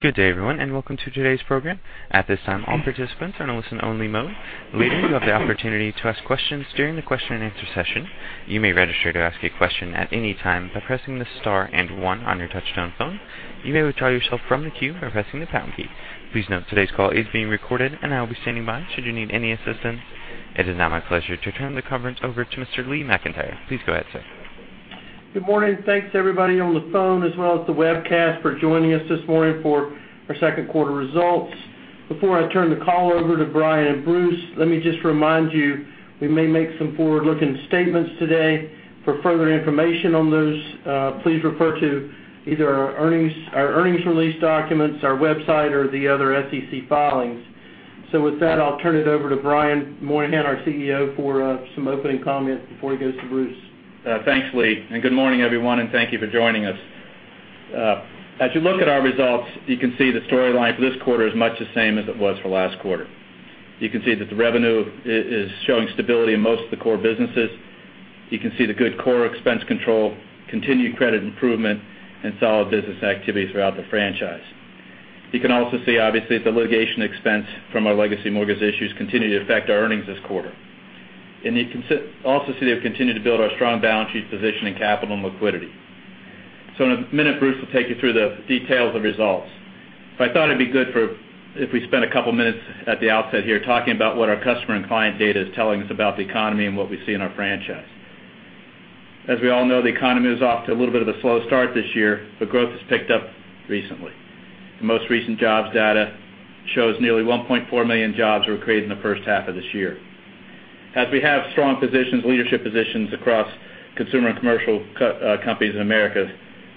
Good day, everyone, and welcome to today's program. At this time, all participants are in a listen-only mode. Later, you have the opportunity to ask questions during the question-and-answer session. You may register to ask a question at any time by pressing the star and one on your touch-tone phone. You may withdraw yourself from the queue by pressing the pound key. Please note, today's call is being recorded, and I will be standing by should you need any assistance. It is now my pleasure to turn the conference over to Mr. Lee McEntire. Please go ahead, sir. Good morning. Thanks, everybody on the phone, as well as the webcast, for joining us this morning for our second quarter results. Before I turn the call over to Brian and Bruce, let me just remind you, we may make some forward-looking statements today. For further information on those, please refer to either our earnings release documents, our website, or the other SEC filings. With that, I'll turn it over to Brian Moynihan, our CEO, for some opening comments before he goes to Bruce. Thanks, Lee. Good morning, everyone, and thank you for joining us. As you look at our results, you can see the storyline for this quarter is much the same as it was for last quarter. You can see that the revenue is showing stability in most of the core businesses. You can see the good core expense control, continued credit improvement, and solid business activity throughout the franchise. You can also see, obviously, the litigation expense from our legacy mortgage issues continue to affect our earnings this quarter. You can also see they've continued to build our strong balance sheet position in capital and liquidity. In a minute, Bruce will take you through the details of results. I thought it'd be good if we spent a couple of minutes at the outset here talking about what our customer and client data is telling us about the economy and what we see in our franchise. As we all know, the economy is off to a little bit of a slow start this year, but growth has picked up recently. The most recent jobs data shows nearly 1.4 million jobs were created in the first half of this year. As we have strong positions, leadership positions across consumer and commercial companies in America,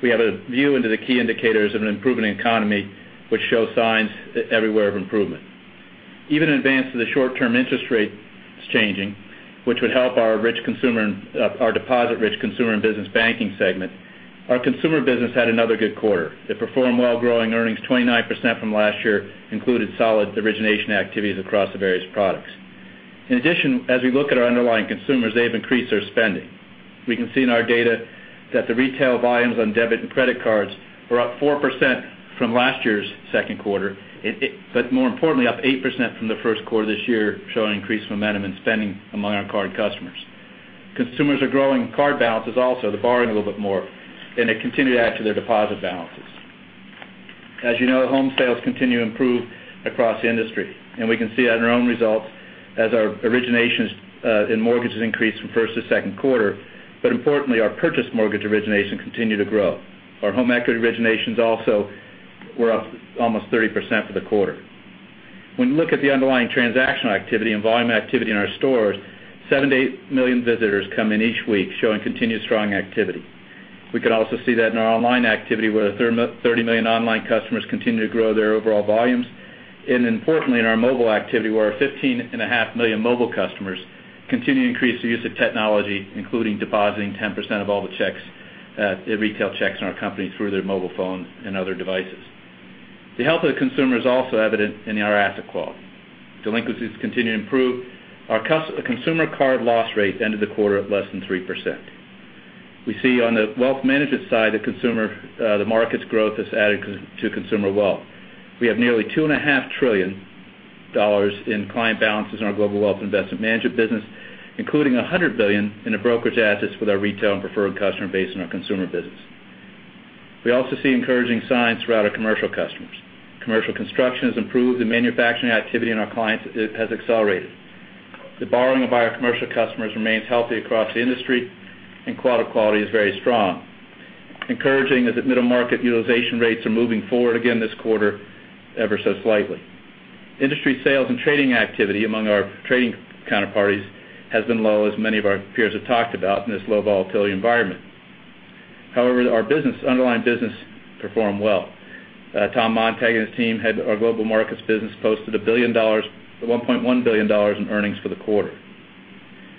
we have a view into the key indicators of an improving economy, which show signs everywhere of improvement. Even in advance of the short-term interest rates changing, which would help our deposit-rich consumer and business banking segment, our consumer business had another good quarter. It performed well, growing earnings 29% from last year, included solid origination activities across the various products. In addition, as we look at our underlying consumers, they've increased their spending. We can see in our data that the retail volumes on debit and credit cards were up 4% from last year's second quarter, but more importantly, up 8% from the first quarter this year, showing increased momentum in spending among our card customers. Consumers are growing card balances also. They're borrowing a little bit more, and they continue to add to their deposit balances. As you know, home sales continue to improve across the industry, and we can see that in our own results as our originations in mortgages increase from first to second quarter. Importantly, our purchase mortgage origination continue to grow. Our home equity originations also were up almost 30% for the quarter. When you look at the underlying transactional activity and volume activity in our stores, seven to eight million visitors come in each week, showing continued strong activity. We could also see that in our online activity, where 30 million online customers continue to grow their overall volumes. Importantly, in our mobile activity, where our 15.5 million mobile customers continue to increase the use of technology, including depositing 10% of all the retail checks in our company through their mobile phones and other devices. The health of the consumer is also evident in our asset quality. Delinquencies continue to improve. Our consumer card loss rates ended the quarter at less than 3%. We see on the wealth management side, the market's growth has added to consumer wealth. We have nearly $2.5 trillion in client balances in our Global Wealth & Investment Management business, including $100 billion in the brokerage assets with our retail and preferred customer base in our consumer business. We also see encouraging signs throughout our commercial customers. Commercial construction has improved and manufacturing activity in our clients has accelerated. The borrowing of our commercial customers remains healthy across the industry, and credit quality is very strong. Encouraging is that middle market utilization rates are moving forward again this quarter, ever so slightly. Industry sales and trading activity among our trading counterparties has been low, as many of our peers have talked about in this low volatility environment. However, our underlying business performed well. Tom Montag and his team, head our Global Markets business, posted $1.1 billion in earnings for the quarter.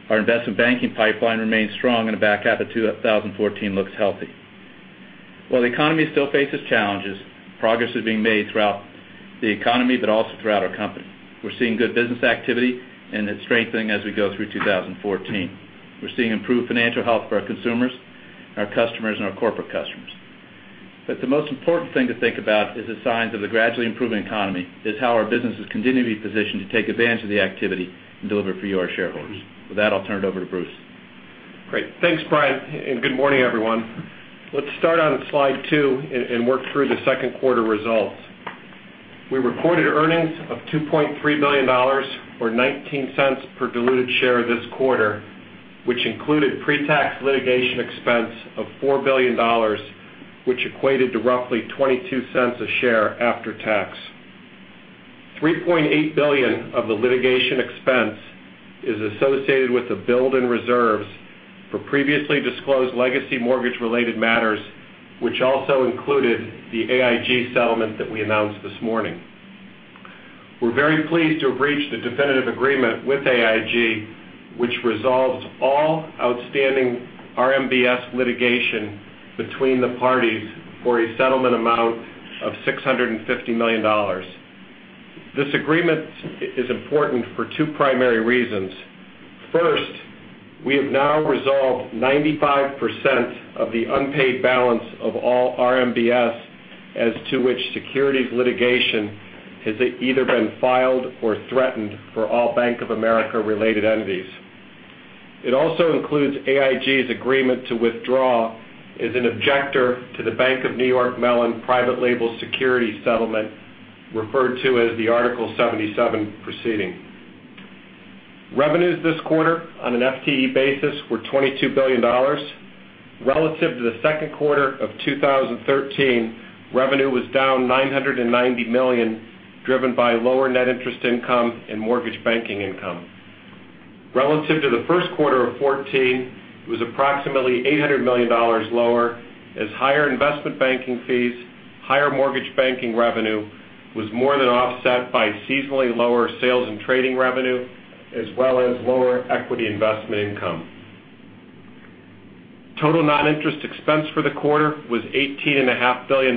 Our investment banking pipeline remains strong, and the back half of 2014 looks healthy. While the economy still faces challenges, progress is being made throughout the economy, but also throughout our company. We're seeing good business activity, and it's strengthening as we go through 2014. We're seeing improved financial health for our consumers, our customers, and our corporate customers. The most important thing to think about is the signs of a gradually improving economy is how our business is continuing to be positioned to take advantage of the activity and deliver for you, our shareholders. With that, I'll turn it over to Bruce. Great. Thanks, Brian, and good morning, everyone. Let's start on slide two and work through the second quarter results. We reported earnings of $2.3 billion, or $0.19 per diluted share this quarter, which included pre-tax litigation expense of $4 billion, which equated to roughly $0.22 a share after tax. $3.8 billion of the litigation expense is associated with the build in reserves for previously disclosed legacy mortgage-related matters, which also included the AIG settlement that we announced this morning. We are very pleased to have reached a definitive agreement with AIG, which resolves all outstanding RMBS litigation between the parties for a settlement amount of $650 million. This agreement is important for two primary reasons. First, we have now resolved 95% of the unpaid balance of all RMBS as to which securities litigation has either been filed or threatened for all Bank of America-related entities. It also includes AIG's agreement to withdraw as an objector to The Bank of New York Mellon private label securities settlement, referred to as the Article 77 proceeding. Revenues this quarter on an FTE basis were $22 billion. Relative to the second quarter of 2013, revenue was down $990 million, driven by lower net interest income and mortgage banking income. Relative to the first quarter of 2014, it was approximately $800 million lower as higher investment banking fees, higher mortgage banking revenue was more than offset by seasonally lower sales and trading revenue, as well as lower equity investment income. Total non-interest expense for the quarter was $18.5 billion,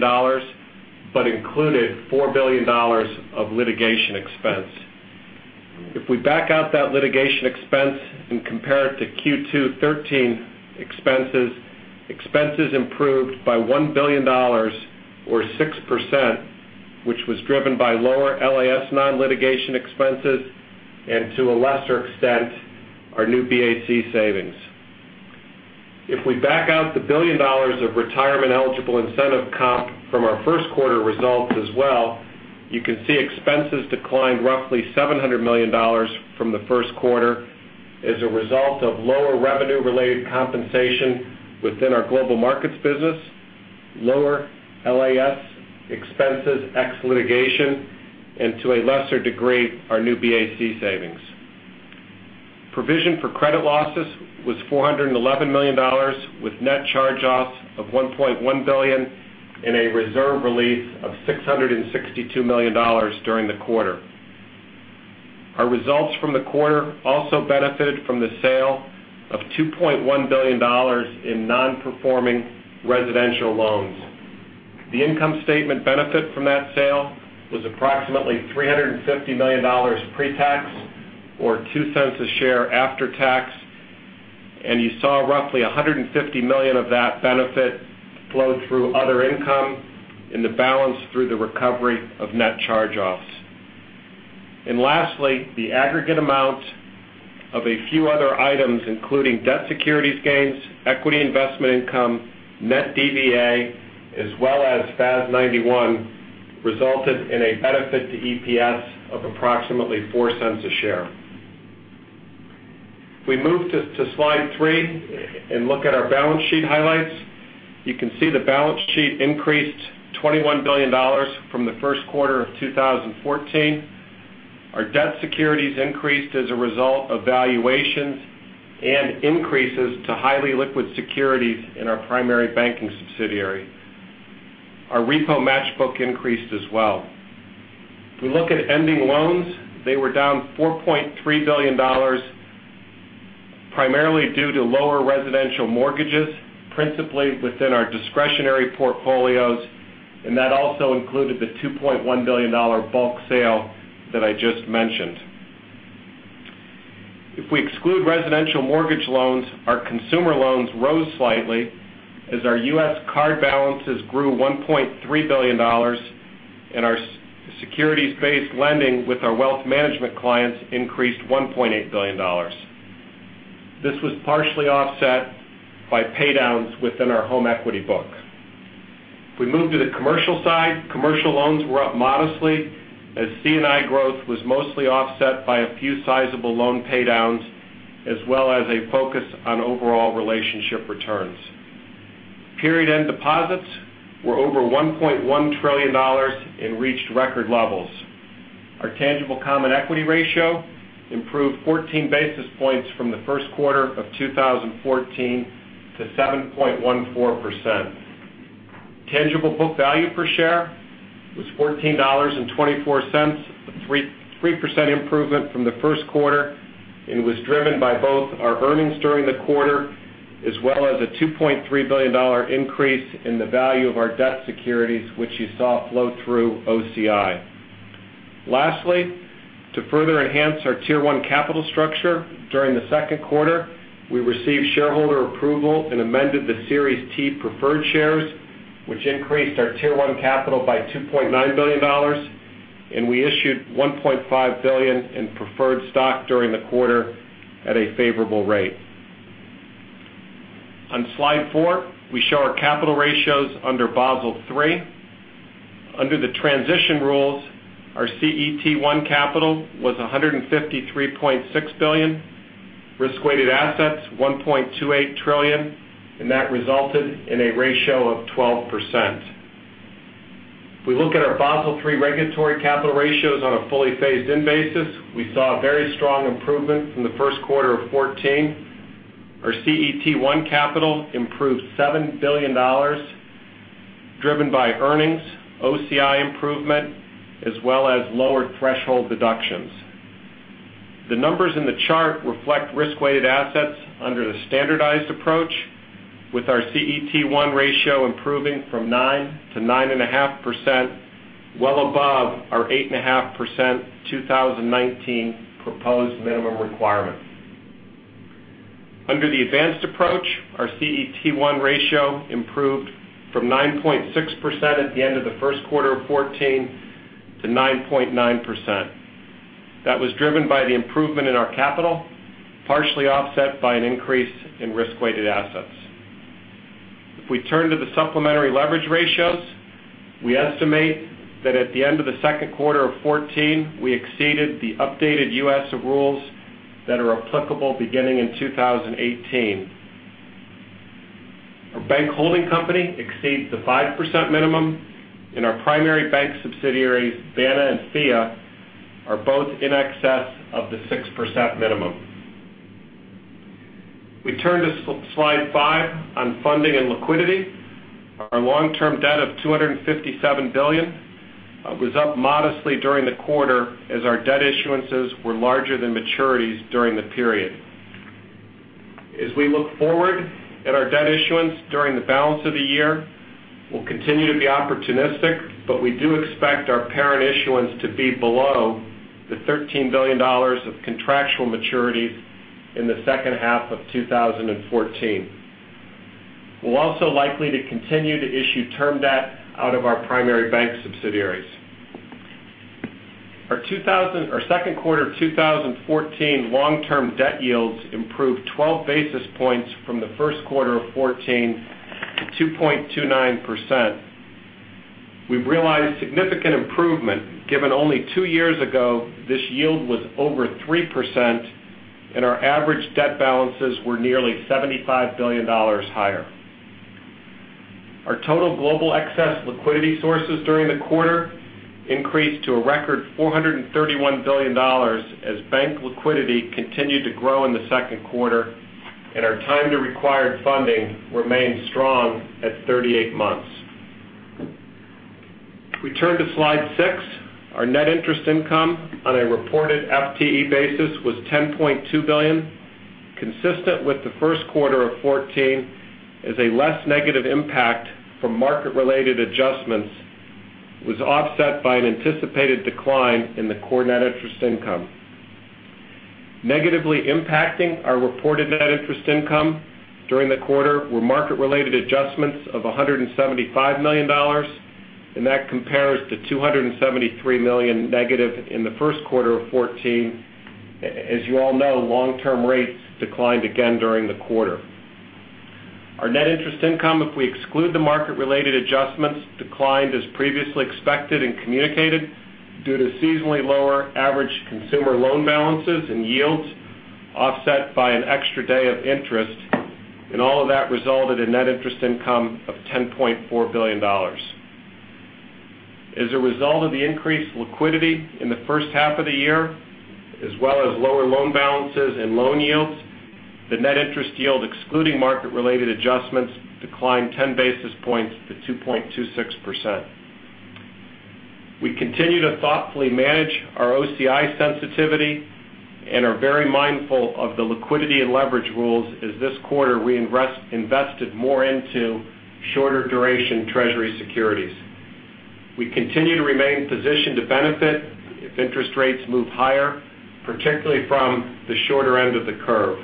but included $4 billion of litigation expense. If we back out that litigation expense and compare it to Q2 2013 expenses improved by $1 billion, or 6%, which was driven by lower LAS non-litigation expenses, and to a lesser extent, our New BAC savings. If we back out the $1 billion of retirement-eligible incentive comp from our first quarter results as well, you can see expenses declined roughly $700 million from the first quarter as a result of lower revenue-related compensation within our Global Markets business, lower LAS expenses ex litigation, and to a lesser degree, our New BAC savings. Provision for credit losses was $411 million, with net charge-offs of $1.1 billion and a reserve release of $662 million during the quarter. Our results from the quarter also benefited from the sale of $2.1 billion in non-performing residential loans. The income statement benefit from that sale was approximately $350 million pre-tax, or $0.02 a share after tax, and you saw roughly $150 million of that benefit flow through other income, and the balance through the recovery of net charge-offs. Lastly, the aggregate amount of a few other items, including debt securities gains, equity investment income, net DVA, as well as FAS 91, resulted in a benefit to EPS of approximately $0.04 a share. If we move to slide three and look at our balance sheet highlights, you can see the balance sheet increased $21 billion from the first quarter of 2014. Our debt securities increased as a result of valuations and increases to highly liquid securities in our primary banking subsidiary. Our repo match book increased as well. If we look at ending loans, they were down $4.3 billion, primarily due to lower residential mortgages, principally within our discretionary portfolios. That also included the $2.1 billion bulk sale that I just mentioned. If we exclude residential mortgage loans, our consumer loans rose slightly as our U.S. card balances grew $1.3 billion. Our securities-based lending with our wealth management clients increased $1.8 billion. This was partially offset by pay-downs within our home equity book. If we move to the commercial side, commercial loans were up modestly as C&I growth was mostly offset by a few sizable loan pay-downs, as well as a focus on overall relationship returns. Period-end deposits were over $1.1 trillion and reached record levels. Our tangible common equity ratio improved 14 basis points from the first quarter of 2014 to 7.14%. Tangible book value per share was $14.24, a 3% improvement from the first quarter. Was driven by both our earnings during the quarter, as well as a $2.3 billion increase in the value of our debt securities, which you saw flow through OCI. Lastly, to further enhance our Tier 1 capital structure, during the second quarter, we received shareholder approval and amended the Series T preferred shares, which increased our Tier 1 capital by $2.9 billion. We issued $1.5 billion in preferred stock during the quarter at a favorable rate. On slide four, we show our capital ratios under Basel III. Under the transition rules, our CET1 capital was $153.6 billion, risk-weighted assets $1.28 trillion. That resulted in a ratio of 12%. If we look at our Basel III regulatory capital ratios on a fully phased-in basis, we saw a very strong improvement from the first quarter of 2014. Our CET1 capital improved $7 billion, driven by earnings, OCI improvement, as well as lower threshold deductions. The numbers in the chart reflect risk-weighted assets under the standardized approach, with our CET1 ratio improving from 9%-9.5%, well above our 8.5% 2019 proposed minimum requirement. Under the advanced approach, our CET1 ratio improved from 9.6% at the end of the first quarter of 2014 to 9.9%. That was driven by the improvement in our capital, partially offset by an increase in risk-weighted assets. If we turn to the supplementary leverage ratios, we estimate that at the end of the second quarter of 2014, we exceeded the updated U.S. rules that are applicable beginning in 2018. Our bank holding company exceeds the 5% minimum. Our primary bank subsidiaries, BANA and FIA, are both in excess of the 6% minimum. We turn to slide five on funding and liquidity. Our long-term debt of $257 billion was up modestly during the quarter as our debt issuances were larger than maturities during the period. As we look forward at our debt issuance during the balance of the year, we'll continue to be opportunistic. We do expect our parent issuance to be below the $13 billion of contractual maturities in the second half of 2014. We're also likely to continue to issue term debt out of our primary bank subsidiaries. Our second quarter 2014 long-term debt yields improved 12 basis points from the first quarter of 2014 to 2.29%. We've realized significant improvement, given only two years ago, this yield was over 3%, and our average debt balances were nearly $75 billion higher. Our total global excess liquidity sources during the quarter increased to a record $431 billion as bank liquidity continued to grow in the second quarter, and our time to required funding remained strong at 38 months. If we turn to slide six, our net interest income on a reported FTE basis was $10.2 billion, consistent with the first quarter of 2014, as a less negative impact from market-related adjustments was offset by an anticipated decline in the core net interest income. Negatively impacting our reported net interest income during the quarter were market-related adjustments of $175 million, and that compares to negative $273 million in the first quarter of 2014. As you all know, long-term rates declined again during the quarter. Our net interest income, if we exclude the market-related adjustments, declined as previously expected and communicated due to seasonally lower average consumer loan balances and yields, offset by an extra day of interest, and all of that resulted in net interest income of $10.4 billion. As a result of the increased liquidity in the first half of the year, as well as lower loan balances and loan yields, the net interest yield, excluding market-related adjustments, declined 10 basis points to 2.26%. We continue to thoughtfully manage our OCI sensitivity and are very mindful of the liquidity and leverage rules, as this quarter, we invested more into shorter duration Treasury securities. We continue to remain positioned to benefit if interest rates move higher, particularly from the shorter end of the curve.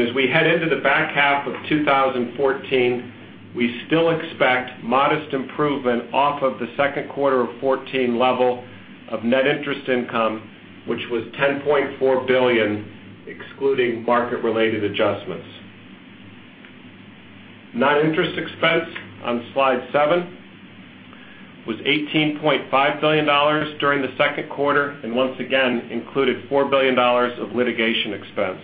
As we head into the back half of 2014, we still expect modest improvement off of the second quarter of 2014 level of net interest income, which was $10.4 billion, excluding market-related adjustments. Non-interest expense on slide seven was $18.5 billion during the second quarter and once again included $4 billion of litigation expense.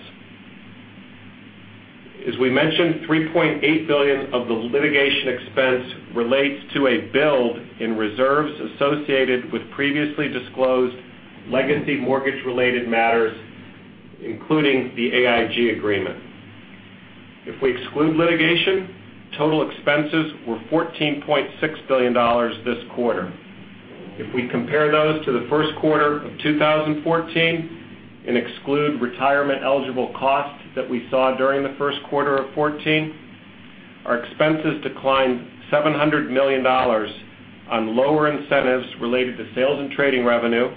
As we mentioned, $3.8 billion of the litigation expense relates to a build in reserves associated with previously disclosed legacy mortgage-related matters, including the AIG agreement. If we exclude litigation, total expenses were $14.6 billion this quarter. If we compare those to the first quarter of 2014 and exclude retirement-eligible costs that we saw during the first quarter of 2014, our expenses declined $700 million on lower incentives related to sales and trading revenue,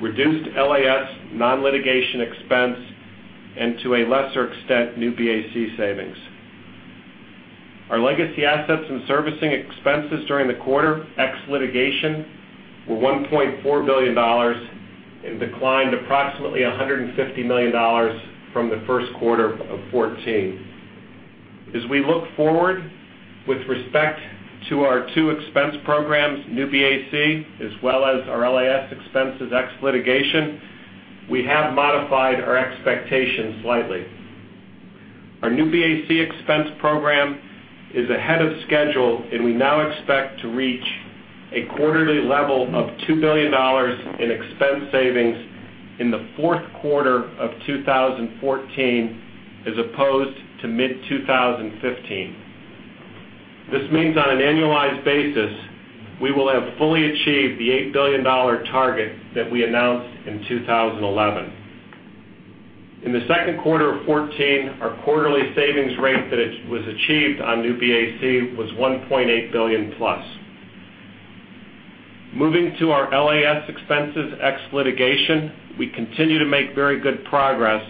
reduced LAS non-litigation expense, and to a lesser extent, New BAC savings. Our legacy assets and servicing expenses during the quarter, ex litigation, were $1.4 billion and declined approximately $150 million from the first quarter of 2014. As we look forward with respect to our two expense programs, New BAC, as well as our LAS expenses, ex litigation, we have modified our expectations slightly. Our New BAC expense program is ahead of schedule, and we now expect to reach a quarterly level of $2 billion in expense savings in the fourth quarter of 2014 as opposed to mid-2015. This means on an annualized basis, we will have fully achieved the $8 billion target that we announced in 2011. In the second quarter of 2014, our quarterly savings rate that was achieved on New BAC was $1.8 billion-plus. Moving to our LAS expenses ex litigation, we continue to make very good progress,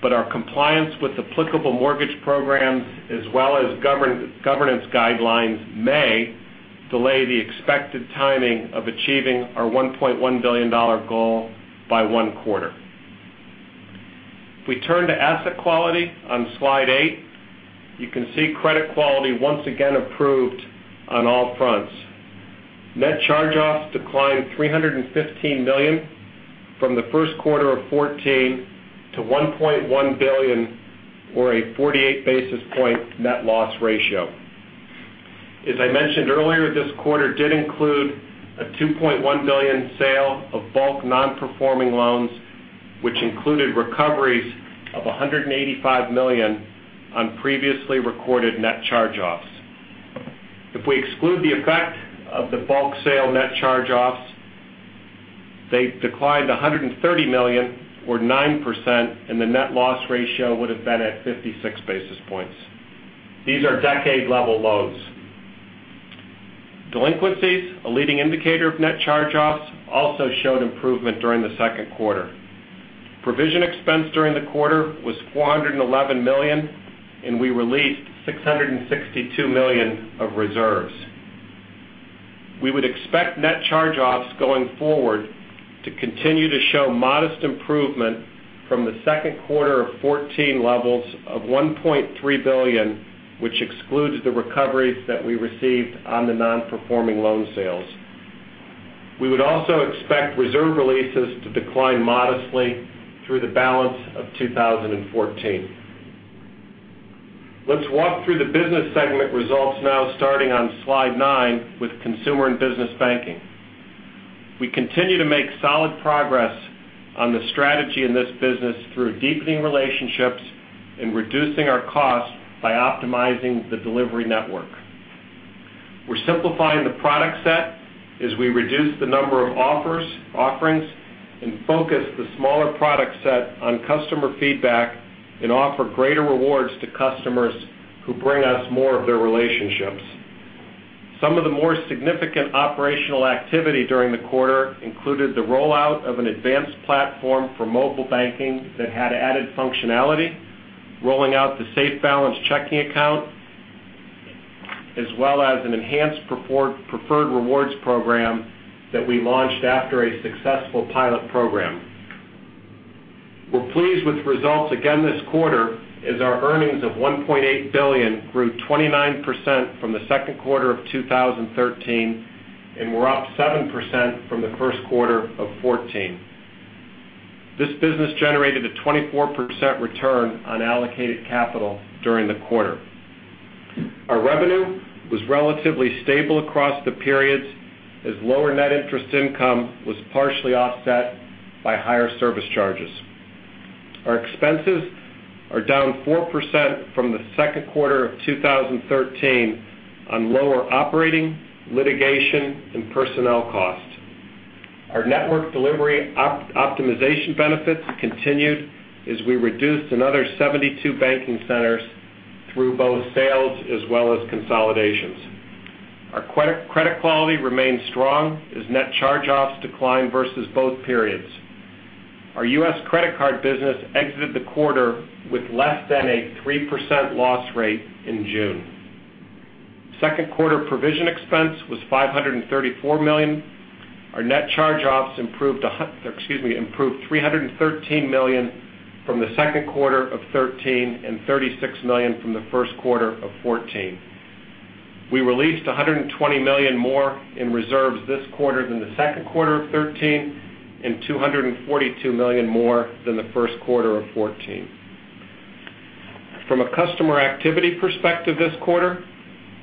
but our compliance with applicable mortgage programs as well as governance guidelines may delay the expected timing of achieving our $1.1 billion goal by one quarter. If we turn to asset quality on slide eight, you can see credit quality once again improved on all fronts. Net charge-offs declined $315 million from the first quarter of 2014 to $1.1 billion or a 48-basis point net loss ratio. As I mentioned earlier, this quarter did include a $2.1 billion sale of bulk non-performing loans, which included recoveries of $185 million on previously recorded net charge-offs. If we exclude the effect of the bulk sale net charge-offs, they declined $130 million or 9%, and the net loss ratio would have been at 56 basis points. These are decade-level lows. Delinquencies, a leading indicator of net charge-offs, also showed improvement during the second quarter. Provision expense during the quarter was $411 million. We released $662 million of reserves. We would expect net charge-offs going forward to continue to show modest improvement from the second quarter of 2014 levels of $1.3 billion, which excludes the recoveries that we received on the non-performing loan sales. We would also expect reserve releases to decline modestly through the balance of 2014. Let's walk through the business segment results now starting on slide nine with Consumer and Business Banking. We continue to make solid progress on the strategy in this business through deepening relationships and reducing our costs by optimizing the delivery network. We're simplifying the product set as we reduce the number of offerings and focus the smaller product set on customer feedback and offer greater rewards to customers who bring us more of their relationships. Some of the more significant operational activity during the quarter included the rollout of an advanced platform for mobile banking that had added functionality, rolling out the SafeBalance checking account, as well as an enhanced Preferred Rewards program that we launched after a successful pilot program. We're pleased with the results again this quarter, as our earnings of $1.8 billion grew 29% from the second quarter of 2013. We're up 7% from the first quarter of 2014. This business generated a 24% return on allocated capital during the quarter. Our revenue was relatively stable across the periods as lower net interest income was partially offset by higher service charges. Our expenses are down 4% from the second quarter of 2013 on lower operating, litigation, and personnel costs. Our network delivery optimization benefits continued as we reduced another 72 banking centers through both sales as well as consolidations. Our credit quality remains strong as net charge-offs decline versus both periods. Our U.S. credit card business exited the quarter with less than a 3% loss rate in June. Second quarter provision expense was $534 million. Our net charge-offs improved $313 million from the second quarter of 2013 and $36 million from the first quarter of 2014. We released $120 million more in reserves this quarter than the second quarter of 2013 and $242 million more than the first quarter of 2014. From a customer activity perspective this quarter,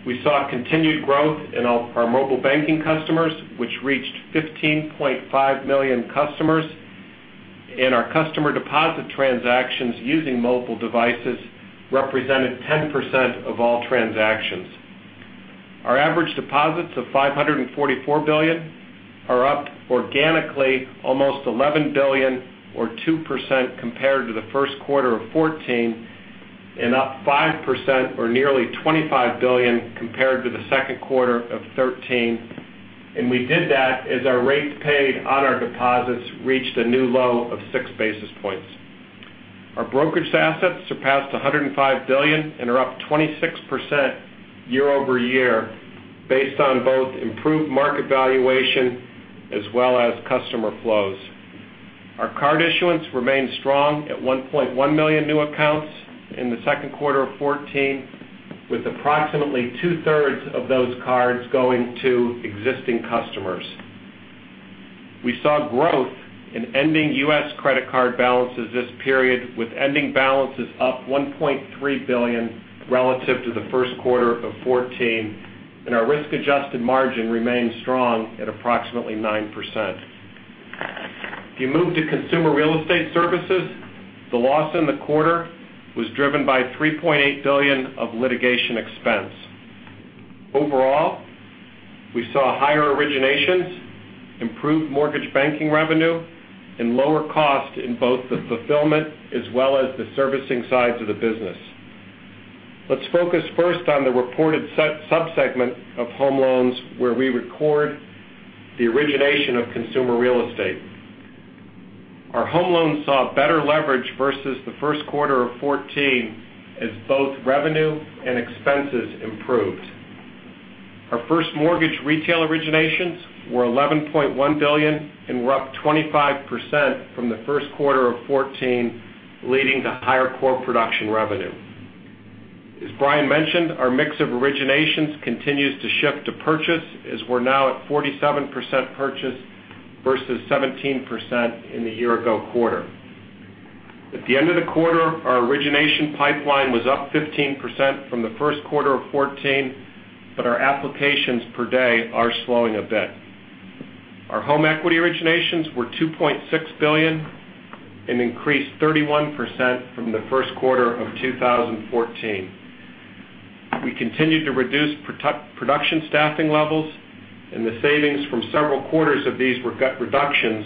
we saw continued growth in our mobile banking customers, which reached $15.5 million customers, and our customer deposit transactions using mobile devices represented 10% of all transactions. Our average deposits of $544 billion are up organically almost $11 billion or 2% compared to the first quarter of 2014 and up 5% or nearly $25 billion compared to the second quarter of 2013. We did that as our rates paid on our deposits reached a new low of six basis points. Our brokerage assets surpassed $105 billion and are up 26% year-over-year based on both improved market valuation as well as customer flows. Our card issuance remains strong at 1.1 million new accounts in the second quarter of 2014, with approximately two-thirds of those cards going to existing customers. We saw growth in ending U.S. credit card balances this period, with ending balances up $1.3 billion relative to the first quarter of 2014, and our risk-adjusted margin remains strong at approximately 9%. If you move to Consumer Real Estate Services, the loss in the quarter was driven by $3.8 billion of litigation expense. Overall, we saw higher originations, improved mortgage banking revenue, and lower cost in both the fulfillment as well as the servicing sides of the business. Let's focus first on the reported sub-segment of home loans, where we record the origination of Consumer Real Estate. Our home loans saw better leverage versus the first quarter of 2014, as both revenue and expenses improved. Our first mortgage retail originations were $11.1 billion, we're up 25% from the first quarter of 2014, leading to higher core production revenue. As Brian mentioned, our mix of originations continues to shift to purchase, as we're now at 47% purchase versus 17% in the year-ago quarter. At the end of the quarter, our origination pipeline was up 15% from the first quarter of 2014, our applications per day are slowing a bit. Our home equity originations were $2.6 billion, an increase 31% from the first quarter of 2014. We continued to reduce production staffing levels, the savings from several quarters of these reductions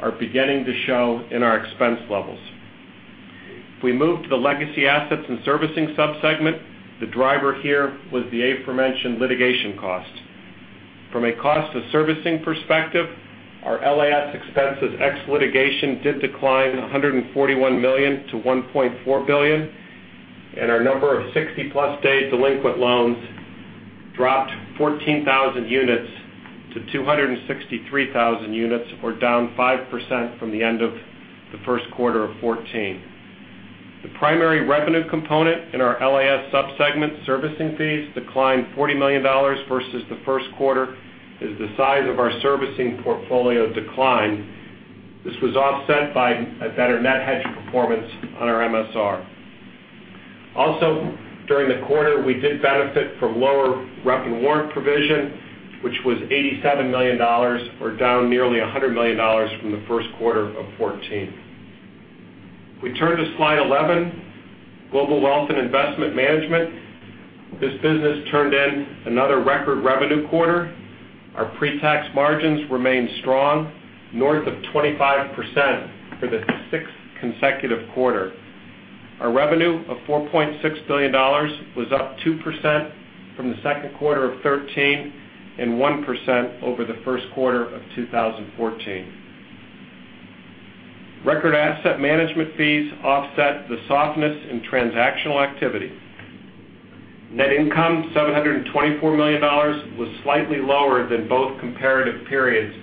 are beginning to show in our expense levels. If we move to the Legacy Assets and Servicing sub-segment, the driver here was the aforementioned litigation cost. From a cost to servicing perspective, our LAS expenses ex litigation did decline $141 million to $1.4 billion, our number of 60-plus day delinquent loans dropped 14,000 units to 263,000 units, or down 5% from the end of the first quarter of 2014. The primary revenue component in our LAS sub-segment, servicing fees, declined $40 million versus the first quarter as the size of our servicing portfolio declined. This was offset by a better net hedge performance on our MSR. During the quarter, we did benefit from lower rep and warrant provision, which was $87 million, or down nearly $100 million from the first quarter of 2014. If we turn to slide 11, Global Wealth and Investment Management. This business turned in another record revenue quarter. Our pre-tax margins remained strong, north of 25% for the sixth consecutive quarter. Our revenue of $4.6 billion was up 2% from the second quarter of 2013 and 1% over the first quarter of 2014. Record asset management fees offset the softness in transactional activity. Net income, $724 million, was slightly lower than both comparative periods,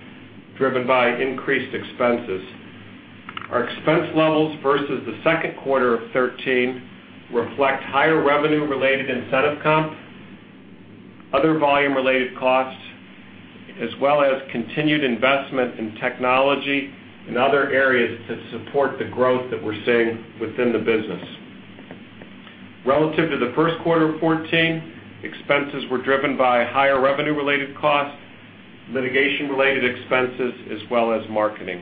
driven by increased expenses. Our expense levels versus the second quarter of 2013 reflect higher revenue-related incentive comp, other volume-related costs, as well as continued investment in technology and other areas to support the growth that we're seeing within the business. Relative to the first quarter of 2014, expenses were driven by higher revenue-related costs, litigation-related expenses, as well as marketing.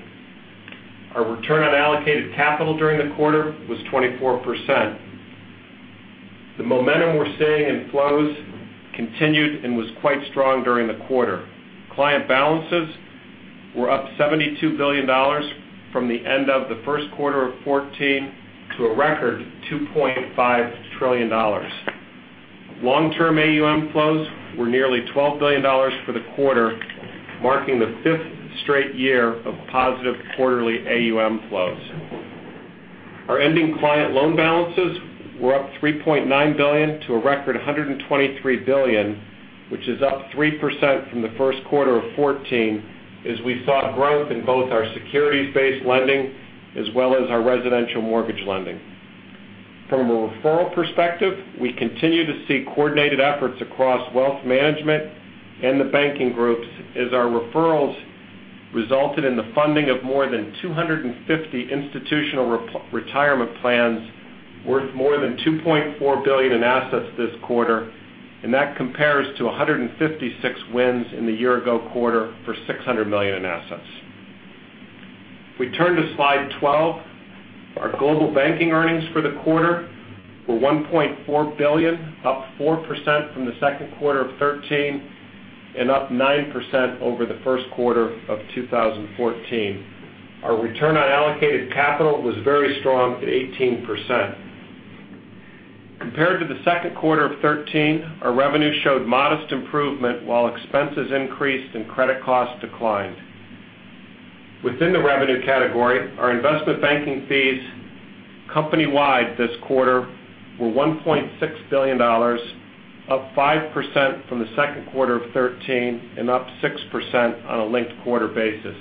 Our return on allocated capital during the quarter was 24%. The momentum we're seeing in flows continued and was quite strong during the quarter. Client balances were up $72 billion from the end of the first quarter of 2014 to a record $2.5 trillion. Long-term AUM flows were nearly $12 billion for the quarter, marking the fifth straight year of positive quarterly AUM flows. Our ending client loan balances were up $3.9 billion to a record $123 billion, which is up 3% from the first quarter of 2014 as we saw growth in both our securities-based lending as well as our residential mortgage lending. From a referral perspective, we continue to see coordinated efforts across wealth management and the banking groups as our referrals resulted in the funding of more than 250 institutional retirement plans worth more than $2.4 billion in assets this quarter, and that compares to 156 wins in the year-ago quarter for $600 million in assets. If we turn to slide 12, our Global Banking earnings for the quarter were $1.4 billion, up 4% from the second quarter of 2013 and up 9% over the first quarter of 2014. Our return on allocated capital was very strong at 18%. Compared to the second quarter of 2013, our revenue showed modest improvement while expenses increased and credit costs declined. Within the revenue category, our investment banking fees company-wide this quarter were $1.6 billion, up 5% from the second quarter of 2013 and up 6% on a linked-quarter basis.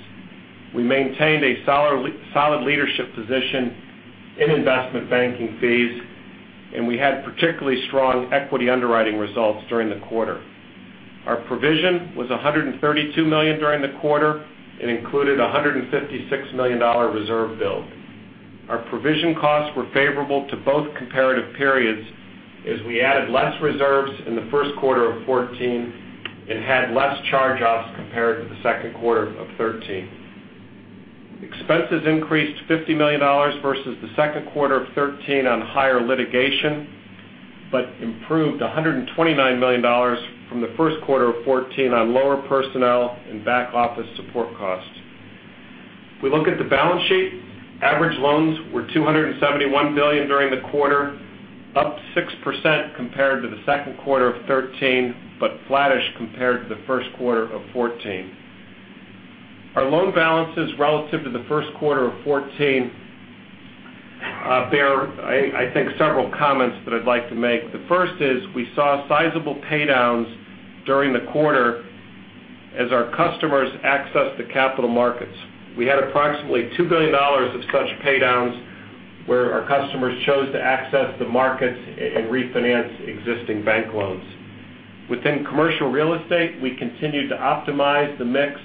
We maintained a solid leadership position in investment banking fees, and we had particularly strong equity underwriting results during the quarter. Our provision was $132 million during the quarter and included a $156 million reserve build. Our provision costs were favorable to both comparative periods, as we added less reserves in the first quarter of 2014 and had less charge-offs compared to the second quarter of 2013. Expenses increased $50 million versus the second quarter of 2013 on higher litigation, but improved $129 million from the first quarter of 2014 on lower personnel and back-office support costs. If we look at the balance sheet, average loans were $271 billion during the quarter, up 6% compared to the second quarter of 2013, but flattish compared to the first quarter of 2014. Our loan balances relative to the first quarter of 2014 bear, I think, several comments that I'd like to make. The first is we saw sizable paydowns during the quarter as our customers accessed the capital markets. We had approximately $2 billion of such paydowns where our customers chose to access the markets and refinance existing bank loans. Within commercial real estate, we continued to optimize the mix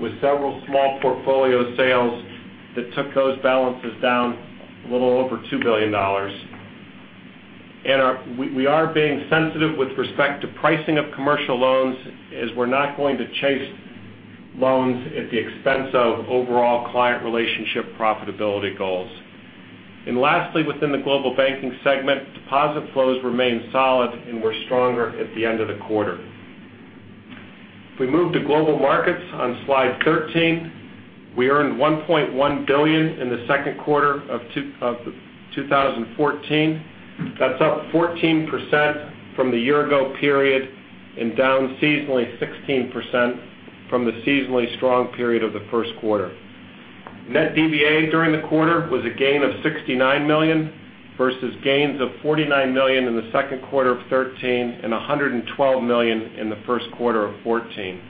with several small portfolio sales that took those balances down a little over $2 billion. We are being sensitive with respect to pricing of commercial loans, as we're not going to chase loans at the expense of overall client relationship profitability goals. Lastly, within the Global Banking segment, deposit flows remained solid and were stronger at the end of the quarter. If we move to Global Markets on slide 13, we earned $1.1 billion in the second quarter of 2014. That's up 14% from the year-ago period and down seasonally 16% from the seasonally strong period of the first quarter. Net DVA during the quarter was a gain of $69 million, versus gains of $49 million in the second quarter of 2013 and $112 million in the first quarter of 2014.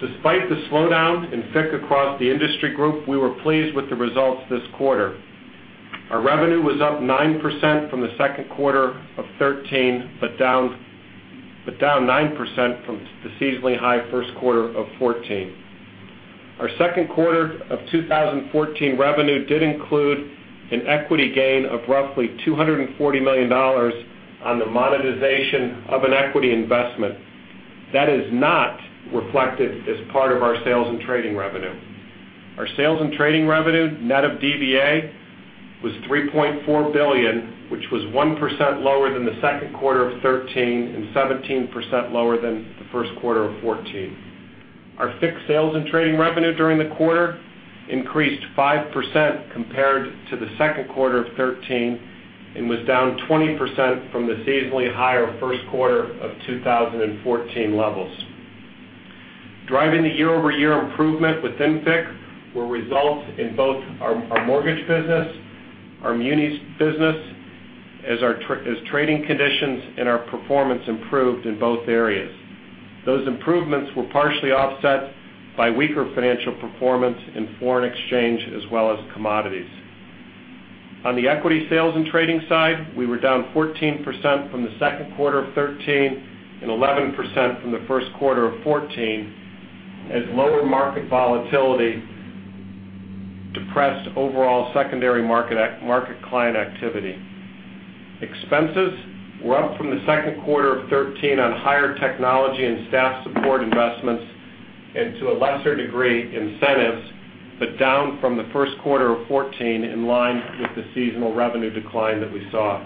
Despite the slowdown in FICC across the industry group, we were pleased with the results this quarter. Our revenue was up 9% from the second quarter of 2013, down 9% from the seasonally high first quarter of 2014. Our second quarter of 2014 revenue did include an equity gain of roughly $240 million on the monetization of an equity investment. That is not reflected as part of our sales and trading revenue. Our sales and trading revenue, net of DVA, was $3.4 billion, which was 1% lower than the second quarter of 2013 and 17% lower than the first quarter of 2014. Our FICC sales and trading revenue during the quarter increased 5% compared to the second quarter of 2013 and was down 20% from the seasonally higher first quarter of 2014 levels. Driving the year-over-year improvement within FICC were results in both our mortgage business, our munis business, as trading conditions and our performance improved in both areas. Those improvements were partially offset by weaker financial performance in foreign exchange as well as commodities. On the equity sales and trading side, we were down 14% from the second quarter of 2013 and 11% from the first quarter of 2014, as lower market volatility depressed overall secondary market client activity. Expenses were up from the second quarter of 2013 on higher technology and staff support investments and, to a lesser degree, incentives, down from the first quarter of 2014 in line with the seasonal revenue decline that we saw.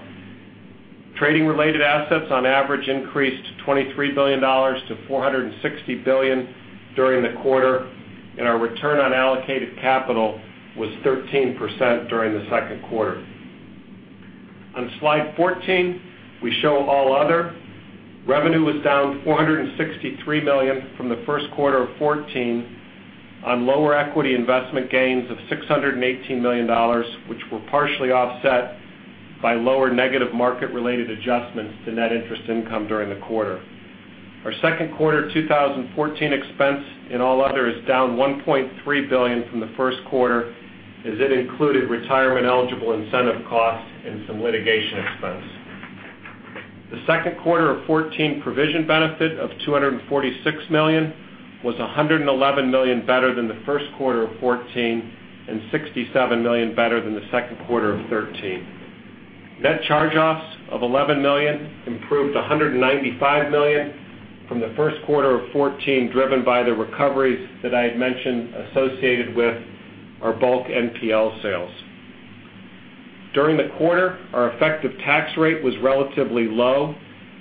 Trading-related assets, on average, increased to $23 billion to $460 billion during the quarter, and our return on allocated capital was 13% during the second quarter. On slide 14, we show all other. Revenue was down $463 million from the first quarter of 2014 on lower equity investment gains of $618 million, which were partially offset by lower negative market-related adjustments to net interest income during the quarter. Our second quarter 2014 expense in all other is down $1.3 billion from the first quarter, as it included retirement-eligible incentive costs and some litigation expense. The second quarter of 2014 provision benefit of $246 million was $111 million better than the first quarter of 2014, and $67 million better than the second quarter of 2013. Net charge-offs of $11 million improved to $195 million from the first quarter of 2014, driven by the recoveries that I had mentioned associated with our bulk NPL sales. During the quarter, our effective tax rate was relatively low,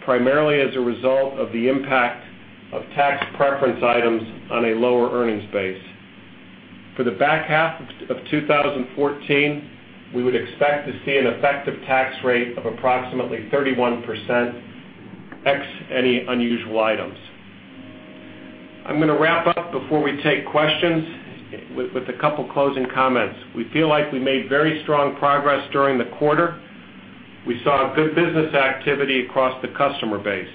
primarily as a result of the impact of tax preference items on a lower earnings base. For the back half of 2014, we would expect to see an effective tax rate of approximately 31%, ex any unusual items. I'm going to wrap up before we take questions with a couple closing comments. We feel like we made very strong progress during the quarter. We saw good business activity across the customer base.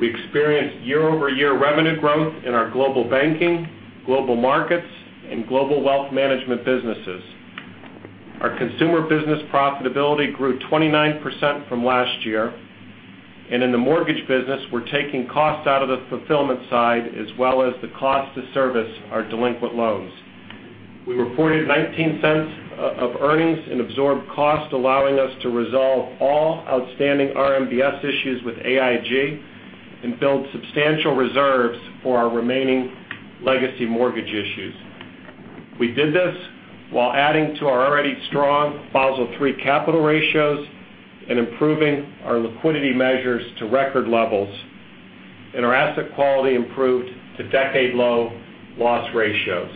We experienced year-over-year revenue growth in our Global Banking, Global Markets, and Global Wealth & Investment Management businesses. Our consumer business profitability grew 29% from last year. In the mortgage business, we're taking costs out of the fulfillment side, as well as the cost to service our delinquent loans. We reported $0.19 of earnings in absorbed cost, allowing us to resolve all outstanding RMBS issues with AIG and build substantial reserves for our remaining legacy mortgage issues. We did this while adding to our already strong Basel III capital ratios and improving our liquidity measures to record levels. Our asset quality improved to decade-low loss ratios.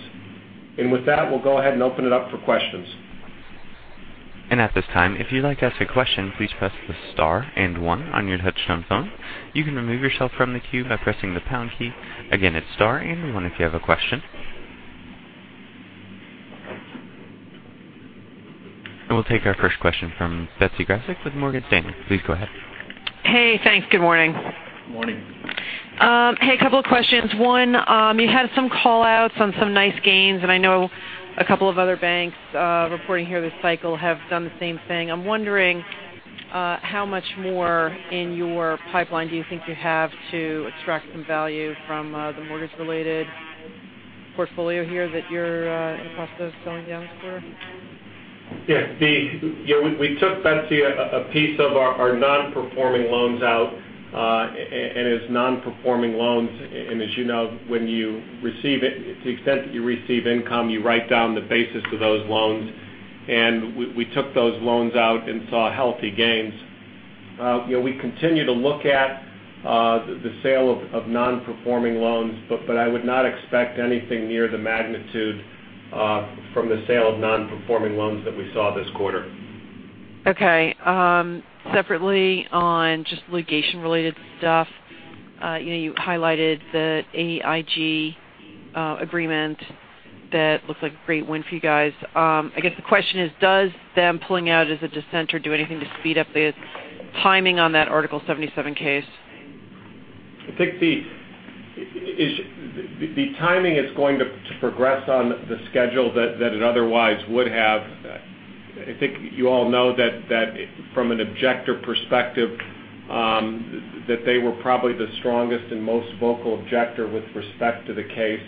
With that, we'll go ahead and open it up for questions. At this time, if you'd like to ask a question, please press the star and one on your touch-tone phone. You can remove yourself from the queue by pressing the pound key. Again, it's star and one if you have a question. We'll take our first question from Betsy Graseck with Morgan Stanley. Please go ahead. Hey, thanks. Good morning. Morning. Hey, a couple of questions. One, you had some call-outs on some nice gains. I know a couple of other banks reporting here this cycle have done the same thing. I'm wondering how much more in your pipeline do you think you have to extract some value from the mortgage-related portfolio here that you're in the process of selling down this quarter? Yeah. We took, Betsy, a piece of our non-performing loans out. As non-performing loans, and as you know, to the extent that you receive income, you write down the basis of those loans. We took those loans out and saw healthy gains. We continue to look at the sale of non-performing loans. I would not expect anything near the magnitude from the sale of non-performing loans that we saw this quarter. Okay. Separately, on just litigation-related stuff, you highlighted the AIG agreement. That looks like a great win for you guys. I guess the question is, does them pulling out as a dissenter do anything to speed up the timing on that Article 77 case? I think the timing is going to progress on the schedule that it otherwise would have. I think you all know that from an objector perspective, that they were probably the strongest and most vocal objector with respect to the case.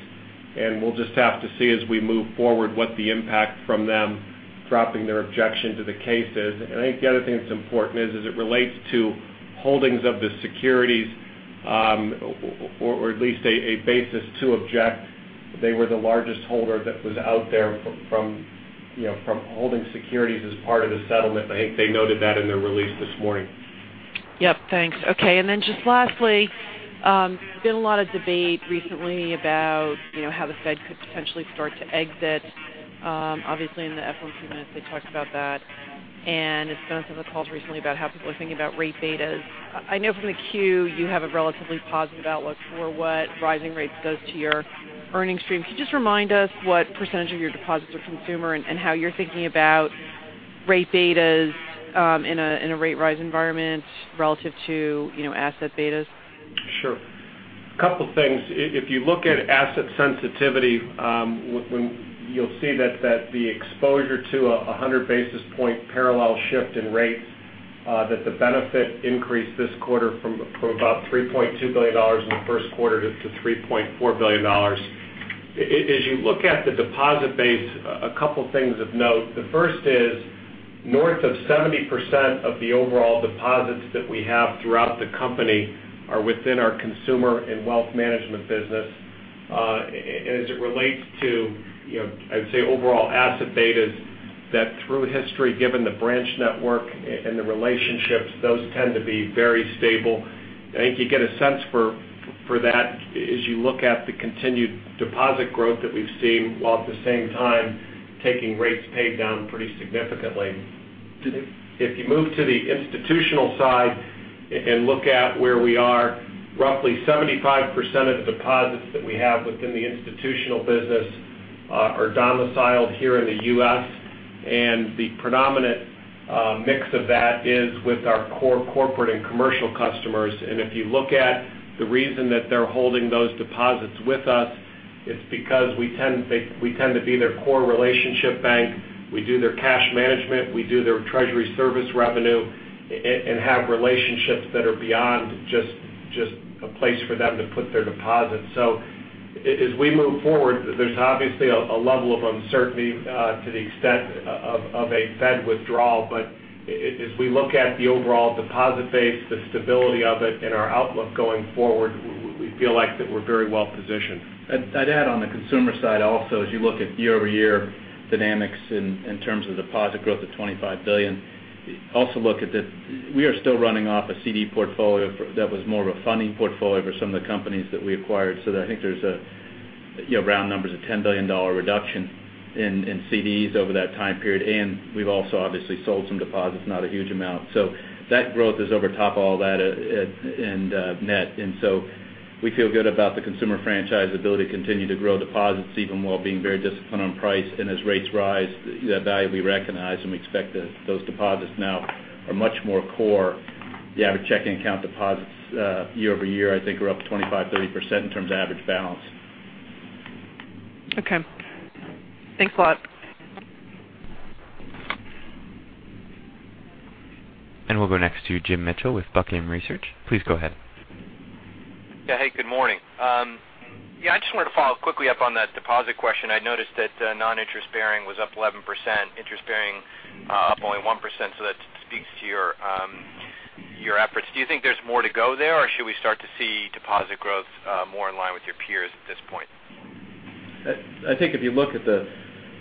We'll just have to see as we move forward what the impact from them dropping their objection to the case is. I think the other thing that's important is as it relates to holdings of the securities, or at least a basis to object, they were the largest holder that was out there from holding securities as part of the settlement. I think they noted that in their release this morning. Yep. Thanks. Okay. Just lastly, been a lot of debate recently about how the Fed could potentially start to exit. Obviously, in the first few minutes, they talked about that. It's been on some of the calls recently about how people are thinking about rate betas. I know from the Q, you have a relatively positive outlook for what rising rates does to your earnings stream. Could you just remind us what percentage of your deposits are consumer and how you're thinking about rate betas in a rate rise environment relative to asset betas? Sure. Couple things. If you look at asset sensitivity, you'll see that the exposure to 100 basis point parallel shift in rates, that the benefit increased this quarter from about $3.2 billion in the first quarter to $3.4 billion. As you look at the deposit base, a couple things of note. The first is north of 70% of the overall deposits that we have throughout the company are within our consumer and wealth management business. As it relates to, I'd say, overall asset betas, that through history, given the branch network and the relationships, those tend to be very stable. I think you get a sense for that as you look at the continued deposit growth that we've seen, while at the same time taking rates paid down pretty significantly. If you move to the institutional side and look at where we are, roughly 75% of the deposits that we have within the institutional business are domiciled here in the U.S., and the predominant mix of that is with our core corporate and commercial customers. If you look at the reason that they're holding those deposits with us, it's because we tend to be their core relationship bank. We do their cash management, we do their treasury service revenue, and have relationships that are beyond just a place for them to put their deposits. As we move forward, there's obviously a level of uncertainty to the extent of a Fed withdrawal. As we look at the overall deposit base, the stability of it, and our outlook going forward, we feel like that we're very well-positioned. I'd add on the consumer side also, as you look at year-over-year dynamics in terms of deposit growth of $25 billion, also look at that we are still running off a CD portfolio that was more of a funding portfolio for some of the companies that we acquired. I think there's, round numbers, a $10 billion reduction in CDs over that time period. We've also obviously sold some deposits, not a huge amount. That growth is over top all that and net. We feel good about the consumer franchise ability to continue to grow deposits even while being very disciplined on price. As rates rise, that value will be recognized, and we expect those deposits now are much more core. The average checking account deposits year-over-year, I think, are up 25%, 30% in terms of average balance. Okay. Thanks a lot. We'll go next to Jim Mitchell with Buckingham Research. Please go ahead. Yeah. Hey, good morning. Yeah, I just wanted to follow quickly up on that deposit question. I noticed that non-interest bearing was up 11%, interest bearing up only 1%. That speaks to your efforts. Do you think there's more to go there? Or should we start to see deposit growth more in line with your peers at this point? I think if you look at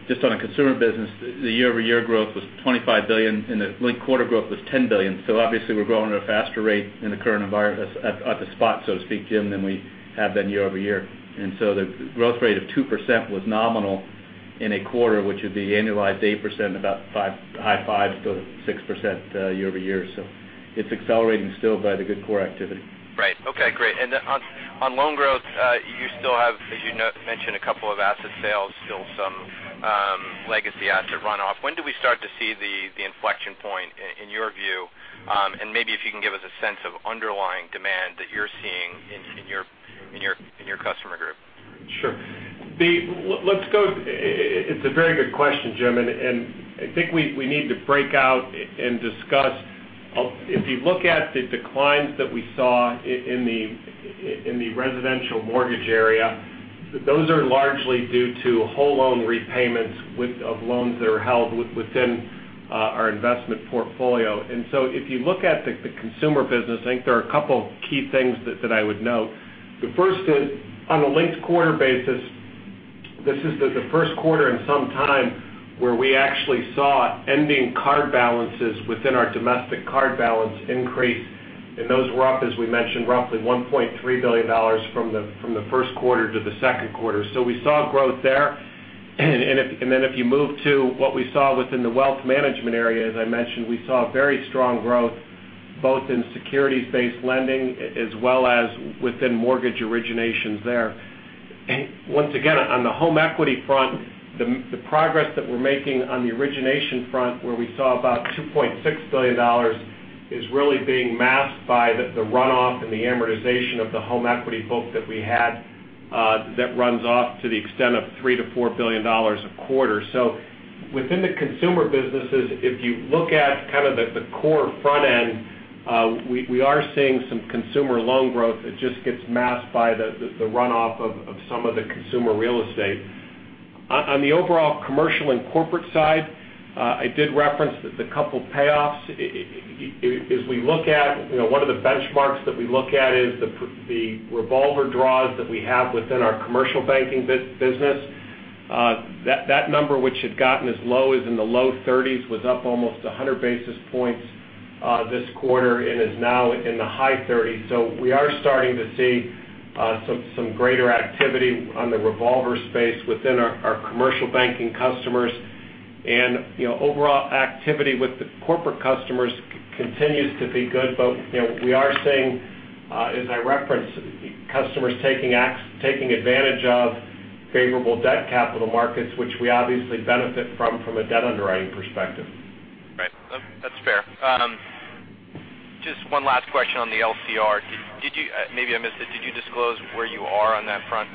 just on a consumer business, the year-over-year growth was $25 billion, and the linked quarter growth was $10 billion. Obviously, we're growing at a faster rate in the current environment at the spot, so to speak, Jim, than we have been year-over-year. The growth rate of 2% was nominal in a quarter, which would be annualized 8%, about high 5%-6% year-over-year. It's accelerating still by the good core activity. Right. Okay, great. On loan growth, you still have, as you mentioned, a couple of asset sales, still some legacy asset runoff. When do we start to see the inflection point in your view? Maybe if you can give us a sense of underlying demand that you're seeing in your customer group. Sure. It's a very good question, Jim. I think we need to break out and discuss. If you look at the declines that we saw in the residential mortgage area, those are largely due to whole loan repayments of loans that are held within our investment portfolio. If you look at the consumer business, I think there are a couple key things that I would note. The first is, on a linked quarter basis, this is the first quarter in some time where we actually saw ending card balances within our domestic card balance increase, and those were up, as we mentioned, roughly $1.3 billion from the first quarter to the second quarter. We saw growth there. If you move to what we saw within the wealth management area, as I mentioned, we saw very strong growth both in securities-based lending as well as within mortgage originations there. Once again, on the home equity front, the progress that we're making on the origination front, where we saw about $2.6 billion, is really being masked by the runoff and the amortization of the home equity book that we had that runs off to the extent of $3 billion to $4 billion a quarter. Within the consumer businesses, if you look at the core front end, we are seeing some consumer loan growth. It just gets masked by the runoff of some of the Consumer Real Estate. On the overall commercial and corporate side, I did reference the couple payoffs. One of the benchmarks that we look at is the revolver draws that we have within our commercial banking business. That number, which had gotten as low as in the low 30s, was up almost 100 basis points this quarter and is now in the high 30s. We are starting to see some greater activity on the revolver space within our commercial banking customers. Overall activity with the corporate customers continues to be good. We are seeing, as I referenced, customers taking advantage of favorable debt capital markets, which we obviously benefit from a debt underwriting perspective. Right. That's fair. Just one last question on the LCR. Maybe I missed it. Did you disclose where you are on that front?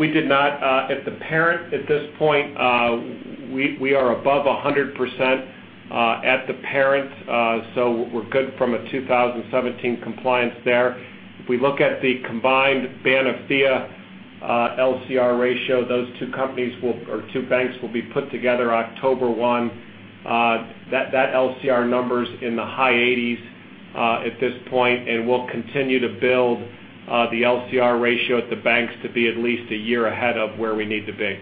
We did not. At this point, we are above 100% at the parent. We're good from a 2017 compliance there. If we look at the combined BANA-FIA LCR ratio, those two companies or two banks will be put together October 1. That LCR number's in the high 80s at this point, and we'll continue to build the LCR ratio at the banks to be at least one year ahead of where we need to be.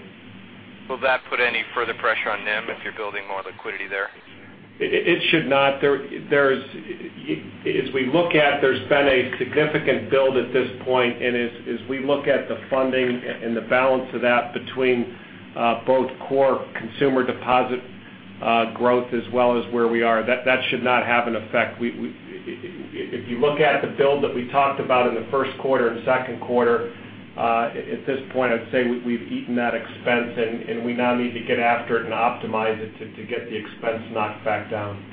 Will that put any further pressure on NIM if you're building more liquidity there? It should not. As we look at, there's been a significant build at this point. As we look at the funding and the balance of that between both core consumer deposit growth as well as where we are, that should not have an effect. If you look at the build that we talked about in the first quarter and second quarter, at this point, I'd say we've eaten that expense. We now need to get after it and optimize it to get the expense knocked back down.